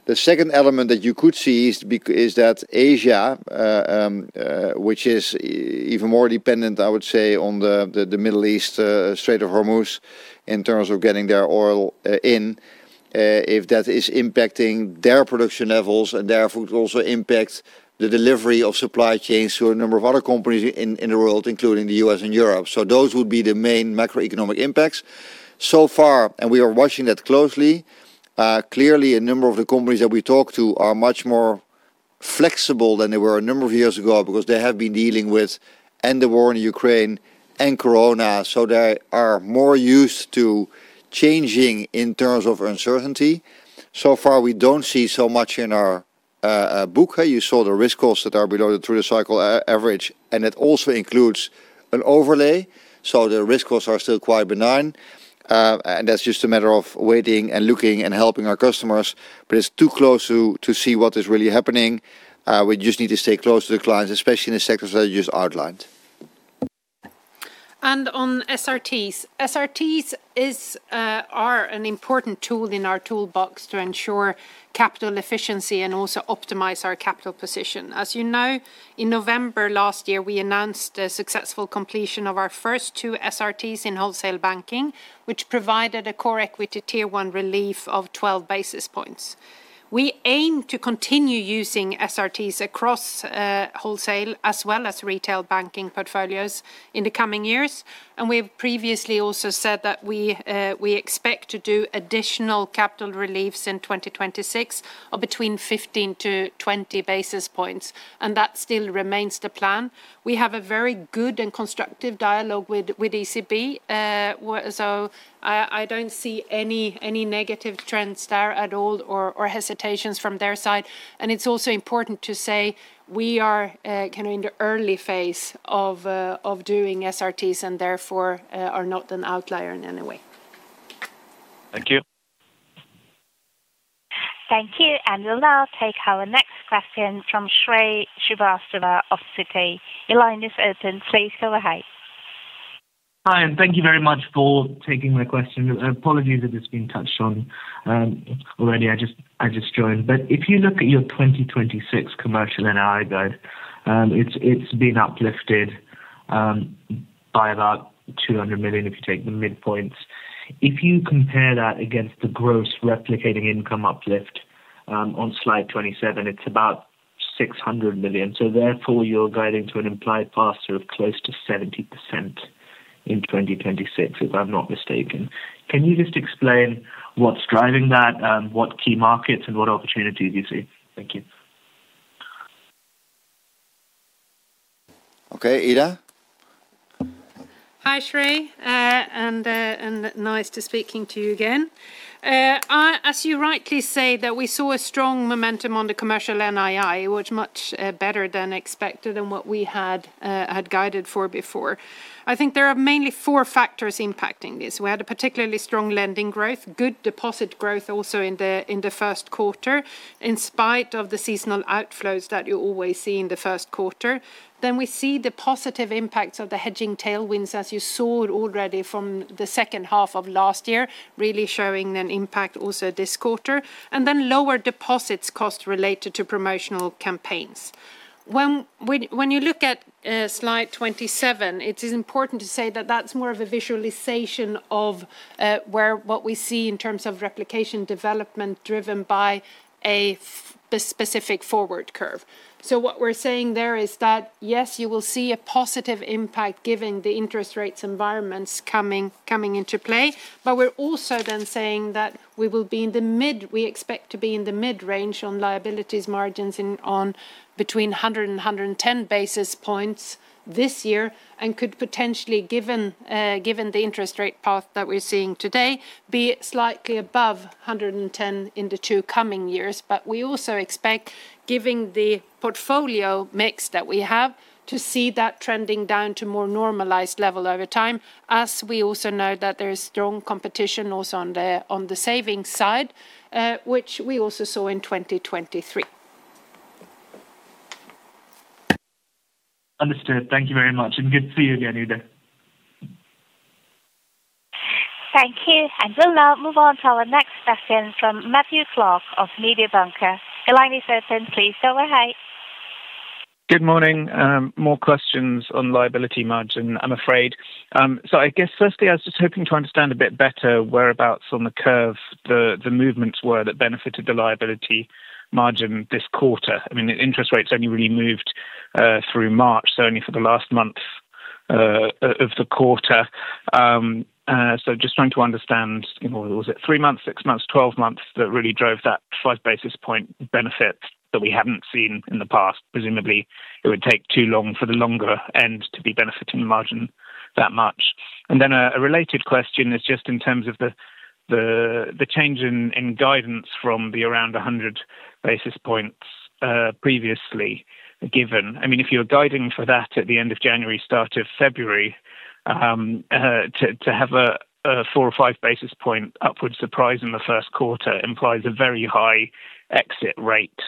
The second element that you could see is that Asia, which is even more dependent, I would say, on the Middle East, Strait of Hormuz in terms of getting their oil, if that is impacting their production levels and therefore it would also impact the delivery of supply chains to a number of other companies in the world, including the U.S. and Europe. Those would be the main macroeconomic impacts. So far, and we are watching that closely, clearly a number of the companies that we talk to are much more flexible than they were a number of years ago because they have been dealing with the war in Ukraine and Corona, so they are more used to changing in terms of uncertainty. So far, we don't see so much in our book. You saw the risk costs that are below the true cycle average, and it also includes an overlay. The risk costs are still quite benign. That's just a matter of waiting and looking and helping our customers. It's too close to see what is really happening. We just need to stay close to the clients, especially in the sectors that I just outlined. On SRTs. SRTs are an important tool in our toolbox to ensure capital efficiency and also optimize our capital position. As you know, in November last year, we announced a successful completion of our first two SRTs in Wholesale Banking, which provided a Core Equity Tier 1 relief of 12 basis points. We aim to continue using SRTs across wholesale as well as Retail Banking portfolios in the coming years. We've previously also said that we expect to do additional capital reliefs in 2026 of between 15-20 basis points, and that still remains the plan. We have a very good and constructive dialogue with ECB. I don't see any negative trends there at all or hesitations from their side. It is also important to say we are, kind of in the early phase of doing SRTs and therefore, are not an outlier in any way. Thank you. Thank you. We'll now take our next question from Shrey Srivastava of Citi. Your line is open. Shrey, go ahead. Hi, thank you very much for taking my question. Apologies if it's been touched on already. I just joined. If you look at your 2026 commercial NII guide, it's been uplifted by about 200 million, if you take the midpoints. If you compare that against the gross replicating income uplift on Slide 27, it's about 600 million. Therefore you're guiding to an implied faster of close to 70% in 2026, if I'm not mistaken. Can you just explain what's driving that, what key markets and what opportunities you see? Thank you. Okay. Ida. Hi, Shrey. Nice to speaking to you again. As you rightly say that we saw a strong momentum on the commercial NII, which much better than expected and what we had guided for before. I think there are mainly four factors impacting this. We had a particularly strong lending growth, good deposit growth also in the first quarter, in spite of the seasonal outflows that you always see in the first quarter. We see the positive impacts of the hedging tailwinds, as you saw already from the second half of last year, really showing an impact also this quarter, and then lower deposits cost related to promotional campaigns. When you look at Slide 27, it is important to say that that's more of a visualization of what we see in terms of replication development driven by a specific forward curve. What we're saying there is that, yes, you will see a positive impact given the interest rates environments coming into play. We're also then saying that we expect to be in the mid-range on liabilities margins in on between 100 and 110 basis points this year, and could potentially, given the interest rate path that we're seeing today, be slightly above 110 basis points in the two coming years. We also expect, given the portfolio mix that we have, to see that trending down to more normalized level over time, as we also know that there is strong competition also on the, on the savings side, which we also saw in 2023. Understood. Thank you very much, and good to see you again, Ida. Thank you. We'll now move on to our next question from Matthew Clark of Mediobanca. Your line is open, please go ahead. Good morning. More questions on liability margin, I'm afraid. I guess firstly, I was just hoping to understand a bit better whereabouts on the curve the movements were that benefited the liability margin this quarter. I mean, interest rates only really moved through March, so only for the last month of the quarter. Just trying to understand, you know, was it three months, six months, 12 months that really drove that 5 basis point benefit that we haven't seen in the past? Presumably, it would take too long for the longer end to be benefiting the margin that much. A related question is just in terms of the change in guidance from the around 100 basis points previously given. I mean, if you're guiding for that at the end of January, start of February, to have a 4 or 5 basis point upward surprise in the first quarter implies a very high exit rate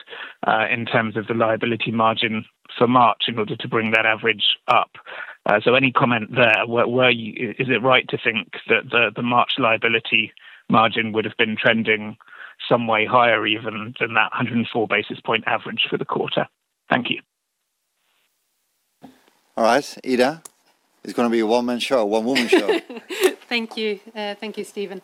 in terms of the liability margin for March in order to bring that average up. Any comment there? Is it right to think that the March liability margin would have been trending some way higher even than that 104 basis point average for the quarter? Thank you. All right. Ida, it's gonna be a one-man show, a one-woman show. Thank you. Thank you, Steven.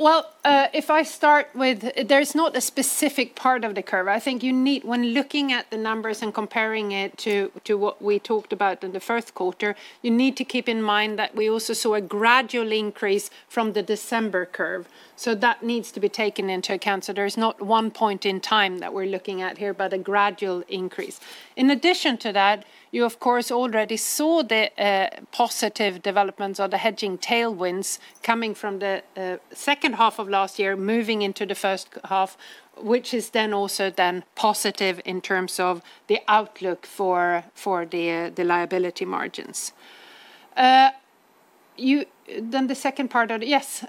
Well, if I start with there's not a specific part of the curve. I think. When looking at the numbers and comparing it to what we talked about in the first quarter, you need to keep in mind that we also saw a gradual increase from the December curve. That needs to be taken into account. There is not one point in time that we're looking at here, but a gradual increase. In addition to that, you of course already saw the positive developments or the hedging tailwinds coming from the second half of last year moving into the first half, which is then also positive in terms of the outlook for the liability margins. The second part of it. Yes.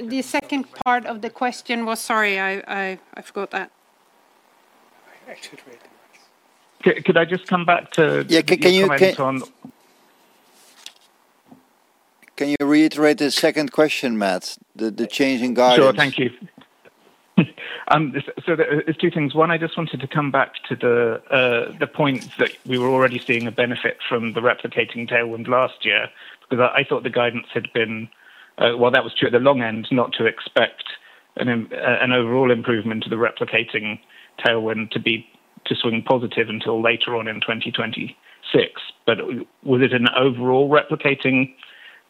The second part of the question was. Sorry, I forgot that. Could I just come back? Yeah. Can you- Any comments on. Can you reiterate the second question, Matt? The changing guidance. Sure. Thank you. There's two things. One, I just wanted to come back to the point that we were already seeing a benefit from the replicating tailwind last year, because I thought the guidance had been, while that was true at the long end, not to expect an overall improvement to the replicating tailwind to swing positive until later on in 2026. Was it an overall replicating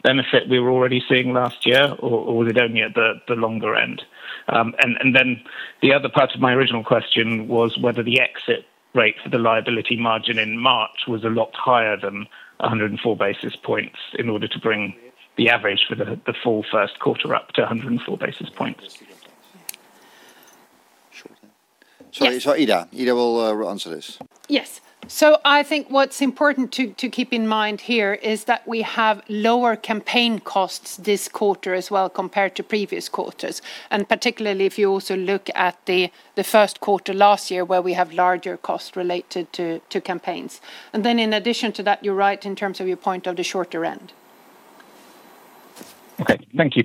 benefit we were already seeing last year or was it only at the longer end? Then the other part of my original question was whether the exit rate for the liability margin in March was a lot higher than 104 basis points in order to bring the average for the full first quarter up to 104 basis points. Sure. Ida will answer this. Yes. I think what's important to keep in mind here is that we have lower campaign costs this quarter as well compared to previous quarters. Particularly if you also look at the first quarter last year, where we have larger costs related to campaigns. Then in addition to that, you're right in terms of your point of the shorter end. Okay. Thank you.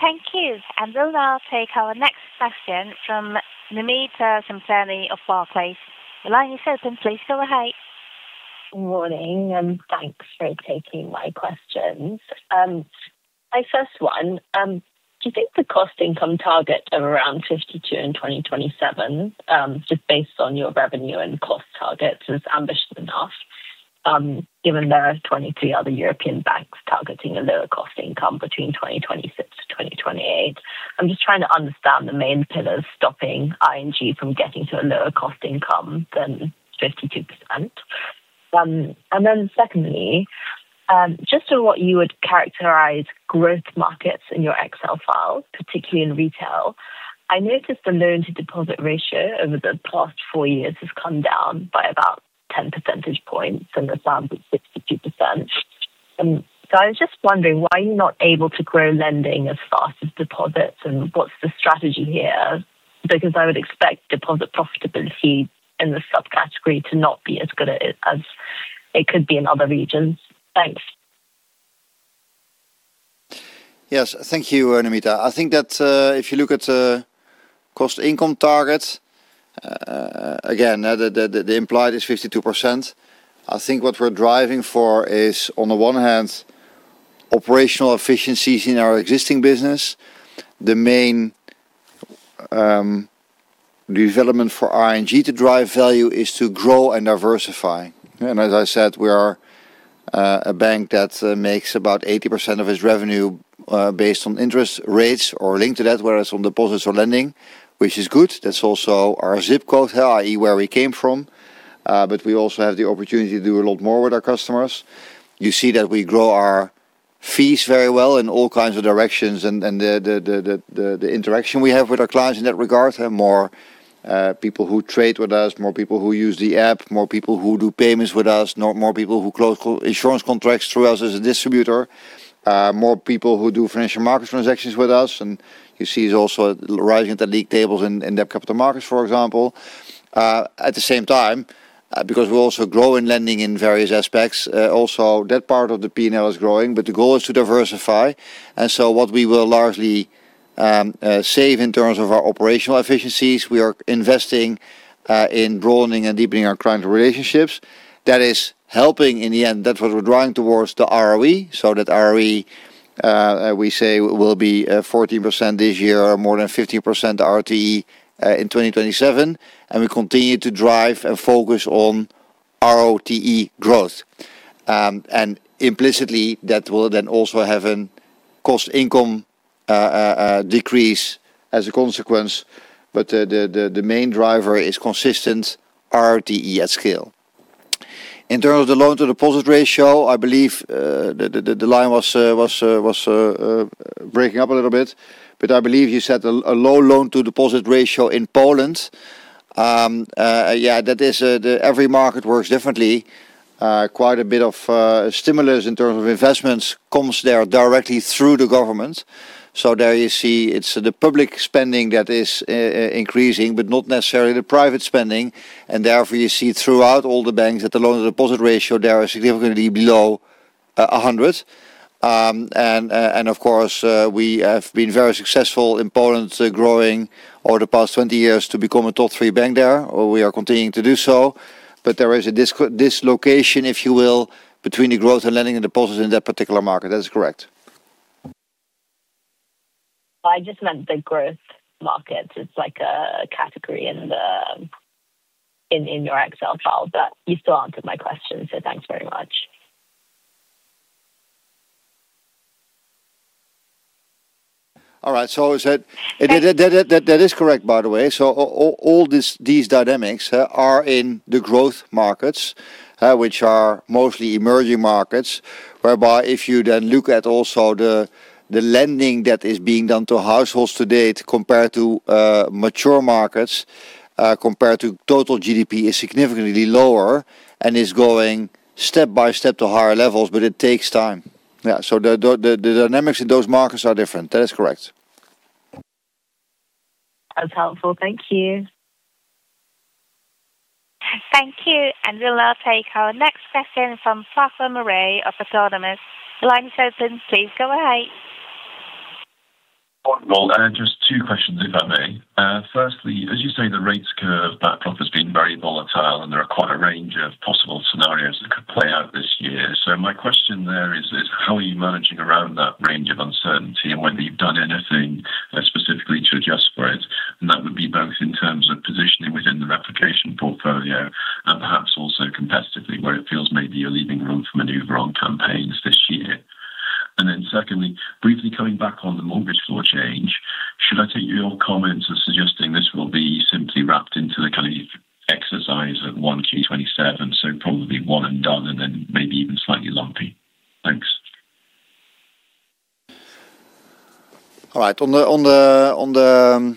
Thank you. We'll now take our next question from Namita Samtani of Barclays. Your line is open. Please go ahead. Good morning. Thanks for taking my questions. My first one, do you think the cost income target of around 52% in 2027, just based on your revenue and cost targets is ambitious enough, given there are 23 other European banks targeting a lower cost income between 2026-2028? I'm just trying to understand the main pillars stopping ING from getting to a lower cost income than 52%. Secondly, just on what you would characterize growth markets in your Excel file, particularly in retail. I noticed the loan to deposit ratio over the past four years has come down by about 10 percentage points from around 60%. I was just wondering, why are you not able to grow lending as fast as deposits, and what's the strategy here? I would expect deposit profitability in this subcategory to not be as good as it could be in other regions. Thanks. Yes. Thank you, Namita. I think that if you look at cost income targets, again, the implied is 52%. I think what we're driving for is, on the one hand, operational efficiencies in our existing business. The main development for ING to drive value is to grow and diversify. As I said, we are a bank that makes about 80% of its revenue based on interest rates or linked to that, whereas on deposits or lending, which is good. That's also our ZIP code, i.e., where we came from. We also have the opportunity to do a lot more with our customers. You see that we grow our fees very well in all kinds of directions and the interaction we have with our clients in that regard. Have more people who trade with us, more people who use the app, more people who do payments with us, more people who close insurance contracts through us as a distributor. More people who do financial market transactions with us. You see it's also rising in the league tables in in-depth capital markets, for example. At the same time, because we're also growing lending in various aspects, also that part of the P&L is growing, but the goal is to diversify. What we will largely save in terms of our operational efficiencies, we are investing in broadening and deepening our client relationships. That is helping in the end. That's what we're drawing towards the ROE, that ROE we say will be 14% this year, more than 15% ROTE in 2027, we continue to drive and focus on ROTE growth. Implicitly, that will then also have an cost income decrease as a consequence. The main driver is consistent ROTE at scale. In terms of the loan to deposit ratio, I believe the line was breaking up a little bit, I believe you said a low loan to deposit ratio in Poland. Yeah, that is every market works differently. Quite a bit of stimulus in terms of investments comes there directly through the government. There you see it's the public spending that is increasing, but not necessarily the private spending. Therefore, you see throughout all the banks that the loan deposit ratio there are significantly below 100. Of course, we have been very successful in Poland, growing over the past 20 years to become a top three bank there, or we are continuing to do so. There is a dislocation, if you will, between the growth in lending and deposits in that particular market. That is correct. I just meant the growth market. It's like a category in your Excel file. You still answered my question, so thanks very much. All right. That is correct, by the way. All these dynamics are in the growth markets, which are mostly emerging markets. Whereby if you then look at also the lending that is being done to households to date compared to mature markets, compared to total GDP is significantly lower and is going step by step to higher levels, but it takes time. Yeah, the dynamics in those markets are different. That is correct. That's helpful. Thank you. Thank you. We'll now take our next question from Farquhar Murray of Autonomous. The line is open. Please go ahead. Good. Just two questions, if I may. Firstly, as you say, the rates curve backdrop has been very volatile, there are quite a range of possible scenarios that could play out this year. My question there is how are you managing around that range of uncertainty and whether you've done anything specifically to adjust for it? That would be both in terms of positioning within the replication portfolio and perhaps also competitively, where it feels maybe you're leaving room to maneuver on campaigns this year. Secondly, briefly coming back on the mortgage floor change, should I take your comments as suggesting this will be simply wrapped into the kind of exercise at 1Q 2027, probably one and done and then maybe even slightly lumpy? Thanks. All right. On the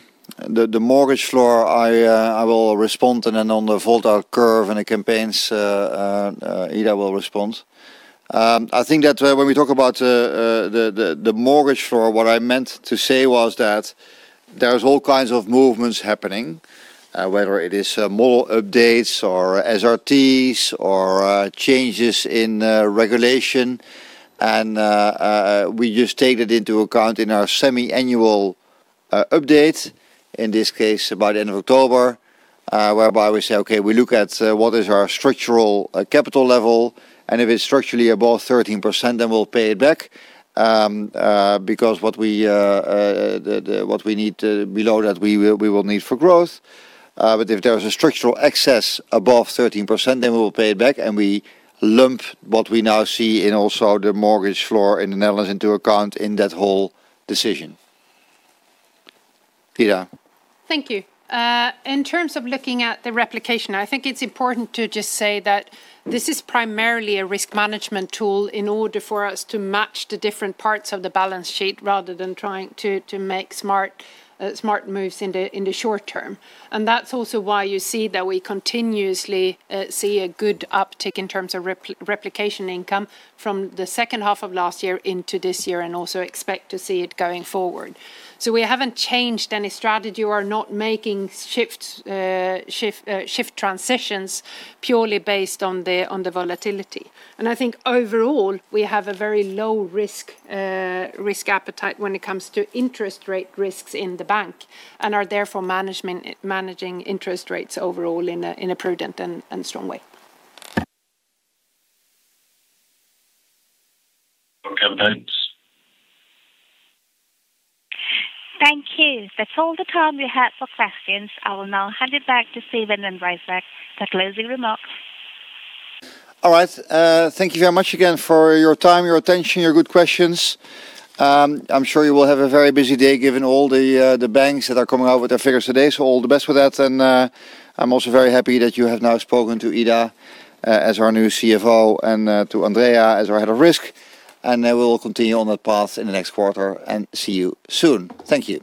mortgage floor, I will respond, and then on the volt curve and the campaigns, Ida will respond. I think that when we talk about the mortgage floor, what I meant to say was that there's all kinds of movements happening, whether it is model updates or SRTs or changes in regulation. We just take it into account in our semi-annual update, in this case, by the end of October, whereby we say, "Okay, we look at what is our structural capital level, and if it's structurally above 13%, then we'll pay it back." Because what we need below that, we will need for growth. If there is a structural excess above 13%, we will pay it back, we lump what we now see in also the mortgage floor in the Netherlands into account in that whole decision. Ida. Thank you. In terms of looking at the replication, I think it's important to just say that this is primarily a risk management tool in order for us to match the different parts of the balance sheet rather than trying to make smart moves in the short term. That's also why you see that we continuously see a good uptick in terms of replication income from the second half of last year into this year and also expect to see it going forward. We haven't changed any strategy. We're not making shift transitions purely based on the volatility. I think overall, we have a very low risk appetite when it comes to interest rate risks in the bank and are therefore managing interest rates overall in a prudent and strong way. For campaigns. Thank you. That's all the time we have for questions. I will now hand it back to Steven van Rijswijk for closing remarks. All right. Thank you very much again for your time, your attention, your good questions. I'm sure you will have a very busy day given all the banks that are coming out with their figures today. All the best with that. I'm also very happy that you have now spoken to Ida as our new CFO and to Andrea as our Head of Risk. We will continue on that path in the next quarter. See you soon. Thank you.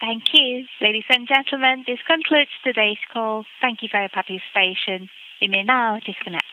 Thank you. Ladies and gentlemen, this concludes today's call. Thank you for your participation. You may now disconnect.